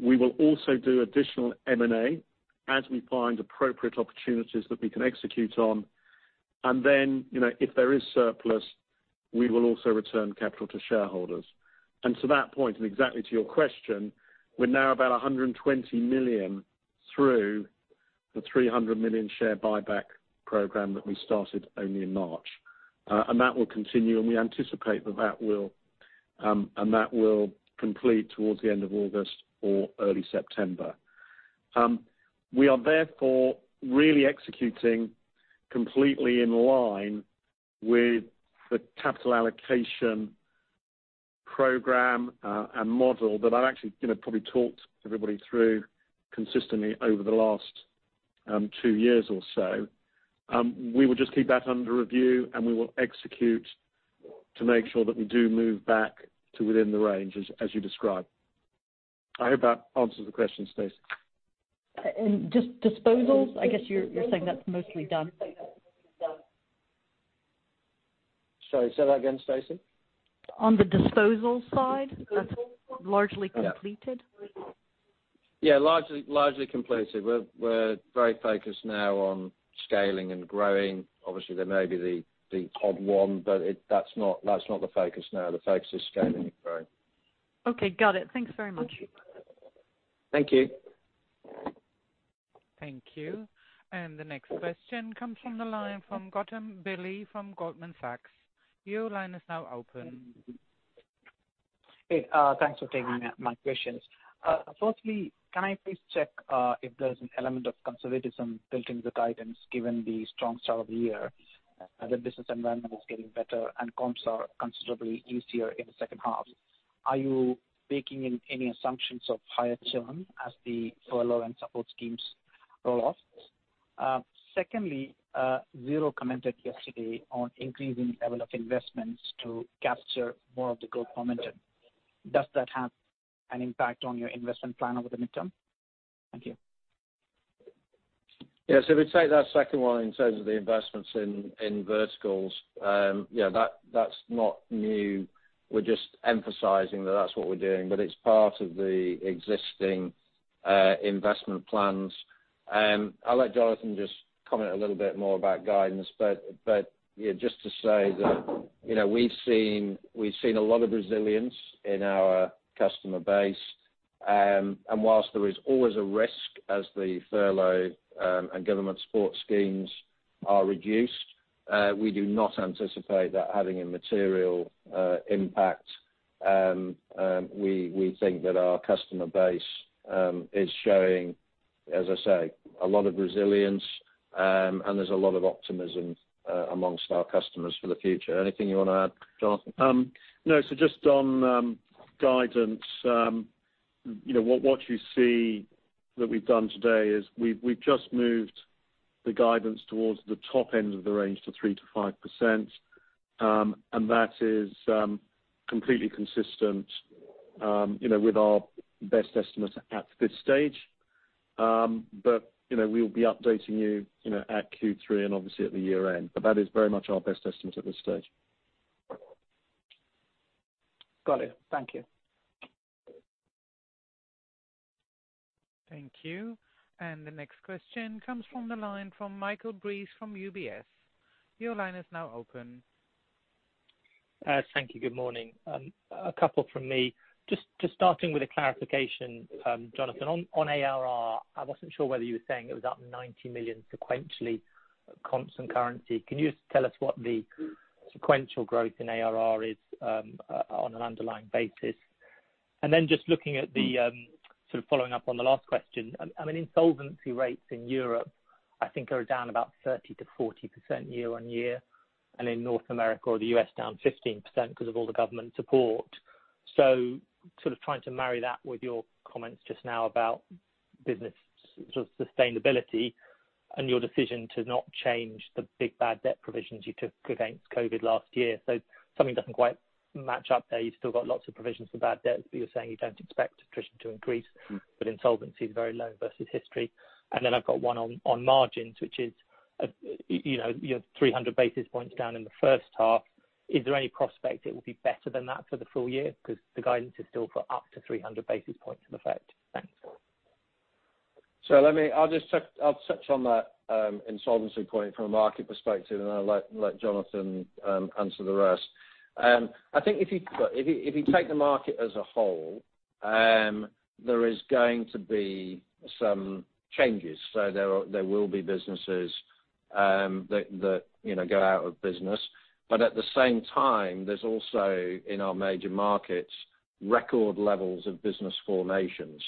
We will also do additional M&A as we find appropriate opportunities that we can execute on. Then, if there is surplus, we will also return capital to shareholders. To that point, and exactly to your question, we're now about 120 million through the 300 million share buyback program that we started only in March. That will continue, and we anticipate that that will complete towards the end of August or early September. We are therefore really executing completely in line with the capital allocation program and model that I've actually probably talked everybody through consistently over the last two years or so. We will just keep that under review, and we will execute to make sure that we do move back to within the range as you described. I hope that answers the question, Stacy. Just disposals, I guess you're saying that's mostly done? Sorry, say that again, Stacy. On the disposal side, that's largely completed? Yeah. Largely completed. We're very focused now on scaling and growing. Obviously, there may be the odd one, but that's not the focus now. The focus is scaling and growing. Okay, got it. Thanks very much. Thank you. Thank you. The next question comes from Gautam Pillai from Goldman Sachs. Your line is now open. Hey, thanks for taking my questions. Firstly, can I please check if there's an element of conservatism built into the guidance, given the strong start to the year? The business environment is getting better, and comps are considerably easier in the second half. Are you baking in any assumptions of higher churn as the furlough and support schemes roll off? Secondly, Xero commented yesterday on increasing levels of investment to capture more of the growth. Does that have an impact on your investment plan over the midterm? Thank you. Yeah. If we take that second one in terms of the investments in verticals, that's not new. We're just emphasizing that that's what we're doing, but it's part of the existing investment plans. I'll let Jonathan just comment a little bit more about guidance, but just to say that we've seen a lot of resilience in our customer base, and whilst there is always a risk as the furlough and government support schemes are reduced, we do not anticipate that having a material impact. We think that our customer base is showing, as I say, a lot of resilience, and there's a lot of optimism amongst our customers for the future. Anything you want to add, Jonathan? No, just on guidance. What you see that we've done today is we've just moved the guidance towards the top end of the range to 3%-5%. That is completely consistent with our best estimate at this stage. We'll be updating you at Q3 and obviously at the year-end. That is very much our best estimate at this stage. Got it. Thank you. Thank you. The next question comes from the line from Michael Briest from UBS. Your line is now open. Thank you. Good morning. A couple from me. Just starting with a clarification, Jonathan, on ARR, I wasn't sure whether you were saying it was up 90 million sequentially at constant currency. Can you just tell us what the sequential growth in ARR is on an underlying basis? Just looking at the, sort of following up on the last question, I mean, insolvency rates in Europe I think are down about 30%-40% year-on-year, and in North America or the U.S. down 15% because of all the government support. Trying to marry that with your comments just now about business sustainability and your decision not to change the big bad debt provisions you took against COVID last year. Something doesn't quite match up there. You've still got lots of provisions for bad debt, but you're saying you don't expect attrition to increase, but insolvency is very low versus history. I've got one on margins, which is, you have 300 basis points down in the first half. Is there any prospect it will be better than that for the full year? The guidance is still for up to 300 basis points of effect. Thanks. I'll touch on that insolvency point from a market perspective, and I'll let Jonathan answer the rest. I think if you take the market as a whole, there are going to be some changes. There will be businesses that go out of business. At the same time, there are also, in our major markets, record levels of business formations.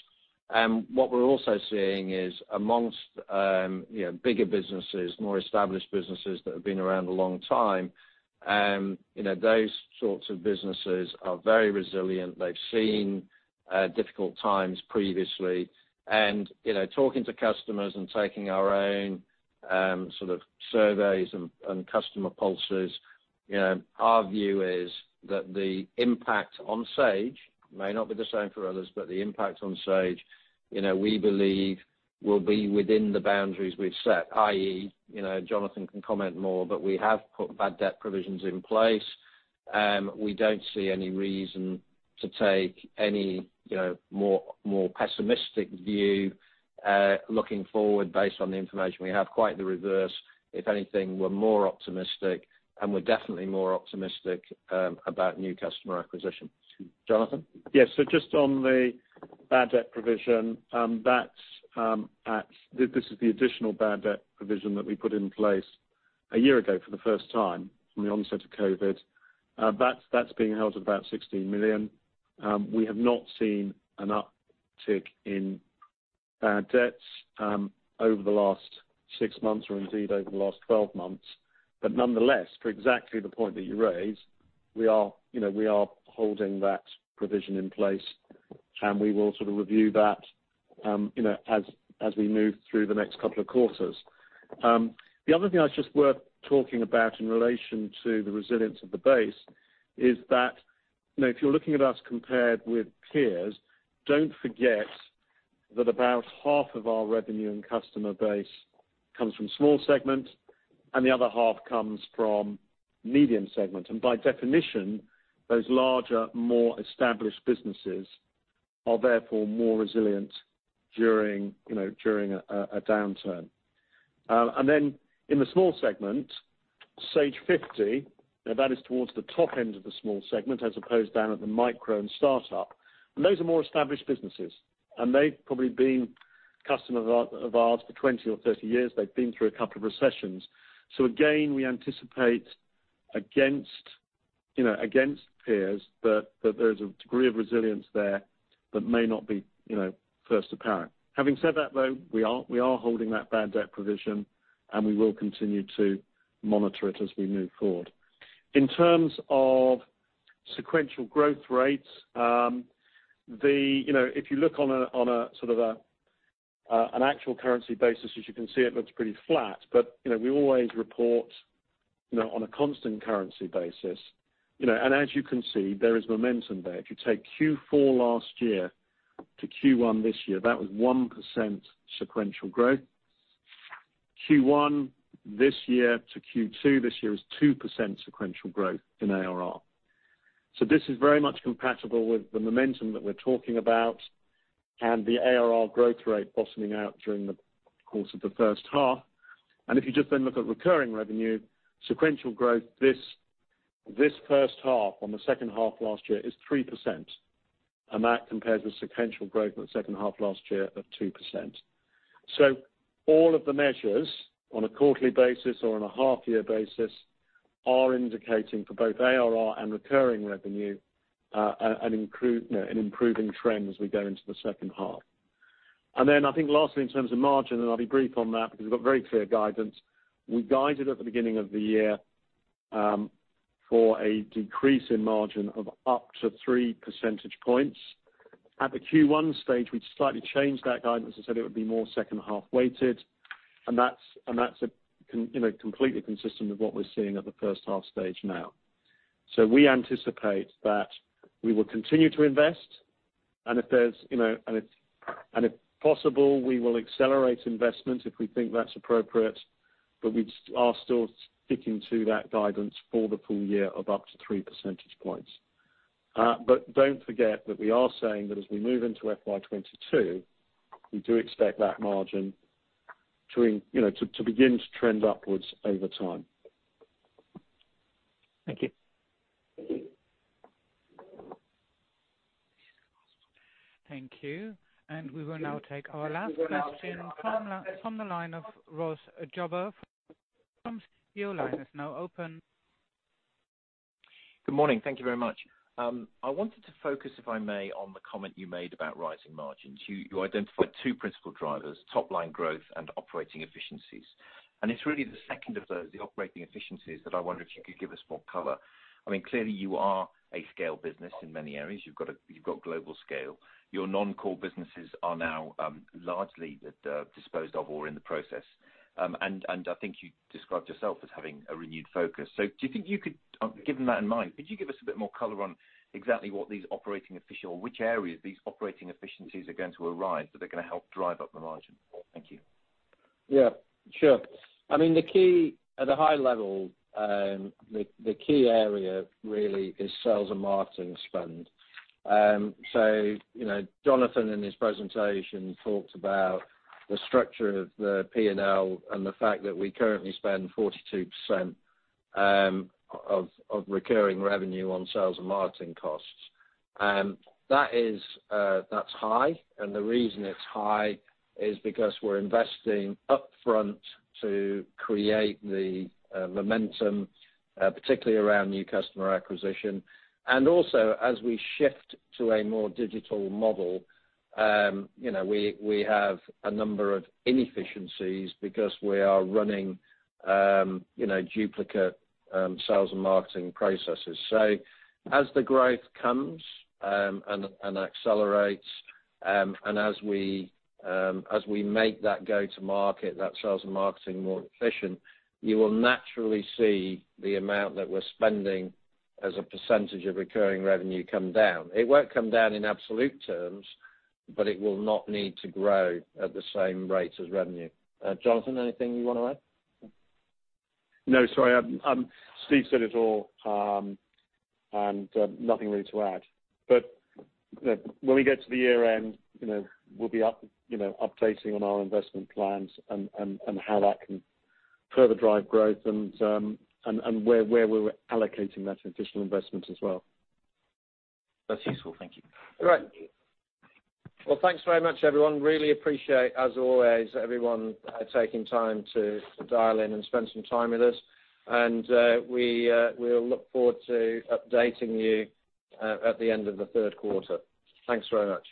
What we're also seeing is that amongst bigger businesses, more established businesses that have been around a long time, those sorts of businesses are very resilient. They've seen difficult times previously, and talking to customers and taking our own surveys and customer pulses, our view is that the impact on Sage, which may not be the same for others, but the impact on Sage, we believe will be within the boundaries we've set, i.e., Jonathan can comment more, but we have put bad debt provisions in place. We don't see any reason to take a more pessimistic view looking forward based on the information we have. Quite the reverse. If anything, we're more optimistic, and we're definitely more optimistic about new customer acquisition. Jonathan? Yes. Just on the bad debt provision, this is the additional bad debt provision that we put in place a year ago for the first time from the onset of COVID. That's being held at about 16 million. We have not seen an uptick in bad debts over the last six months or indeed over the last 12 months. Nonetheless, for exactly the point that you raised, we are holding that provision in place, and we will review that as we move through the next couple of quarters. The other thing that's just worth talking about in relation to the resilience of the base is that, if you're looking at us compared with peers, don't forget that about half of our revenue and customer base comes from the small segment, and the other half comes from the medium segment. By definition, those larger, more established businesses are therefore more resilient during a downturn. Then in the small segment, Sage 50, that is towards the top end of the small segment, as opposed to down at the micro and startup. Those are more established businesses, and they've probably been customers of ours for 20 or 30 years. They've been through a couple of recessions. Again, we anticipate against peers that there is a degree of resilience there that may not be at first apparent. Having said that, though, we are holding that bad debt provision, and we will continue to monitor it as we move forward. In terms of sequential growth rates, if you look on an actual currency basis, as you can see, it looks pretty flat, but we always report on a constant currency basis. As you can see, there is momentum there. If you take Q4 last year to Q1 this year, that was 1% sequential growth. Q1 this year to Q2 this year is 2% sequential growth in ARR. This is very much compatible with the momentum that we're talking about and the ARR growth rate bottoming out during the course of the first half. If you just then look at recurring revenue, sequential growth this first half on the second half last year is 3%, and that compares with sequential growth in the second half last year of 2%. All of the measures on a quarterly basis or on a half-year basis are indicating for both ARR and recurring revenue an improving trend as we go into the second half. Then I think lastly, in terms of margin, and I'll be brief on that because we've got very clear guidance. We guided at the beginning of the year for a decrease in margin of up to three percentage points. At the Q1 stage, we slightly changed that guidance and said it would be more second-half weighted, and that's completely consistent with what we're seeing at the first-half stage now. We anticipate that we will continue to invest, and if possible, we will accelerate investment if we think that's appropriate. We are still sticking to that guidance for the full year of up to three percentage points. Don't forget that we are saying that as we move into FY 2022, we do expect that margin to begin to trend upwards over time. Thank you. Thank you. We will now take our last question from the line of Ross Jobber from Edison Group. Your line is now open. Good morning. Thank you very much. I wanted to focus, if I may, on the comment you made about rising margins. You identified two principal drivers: top-line growth and operating efficiencies. It's really the second of those, the operating efficiencies, that I wonder if you could give us more color on. Clearly, you are a scale business in many areas. You've got global scale. Your non-core businesses are now largely disposed of or in the process. I think you described yourself as having a renewed focus. Given that in mind, could you give us a bit more color on exactly which areas these operating efficiencies are going to arise that are going to help drive up the margin? Thank you. Yes, sure. At a high level, the key area really is sales and marketing spend. Jonathan, in his presentation, talked about the structure of the P&L and the fact that we currently spend 42% of recurring revenue on sales and marketing costs. That's high, and the reason it's high is because we're investing upfront to create momentum, particularly around new customer acquisition. Also, as we shift to a more digital model, we have a number of inefficiencies because we are running duplicate sales and marketing processes. As the growth comes and accelerates, and as we make that go-to-market, that sales and marketing more efficient, you will naturally see the amount that we're spending as a percentage of recurring revenue come down. It won't come down in absolute terms, but it will not need to grow at the same rate as revenue. Jonathan, anything you want to add? Sorry, Steve said it all, and there's nothing really to add. When we get to the year-end, we'll be updating you on our investment plans and how that can further drive growth, as well as where we're allocating that additional investment. That's useful. Thank you. All right. Well, thanks very much, everyone. I really appreciate, as always, everyone taking the time to dial in and spend some time with us. We'll look forward to updating you at the end of the third quarter. Thanks very much.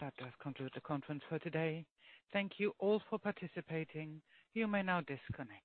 That does conclude the conference for today. Thank you all for participating. You may now disconnect.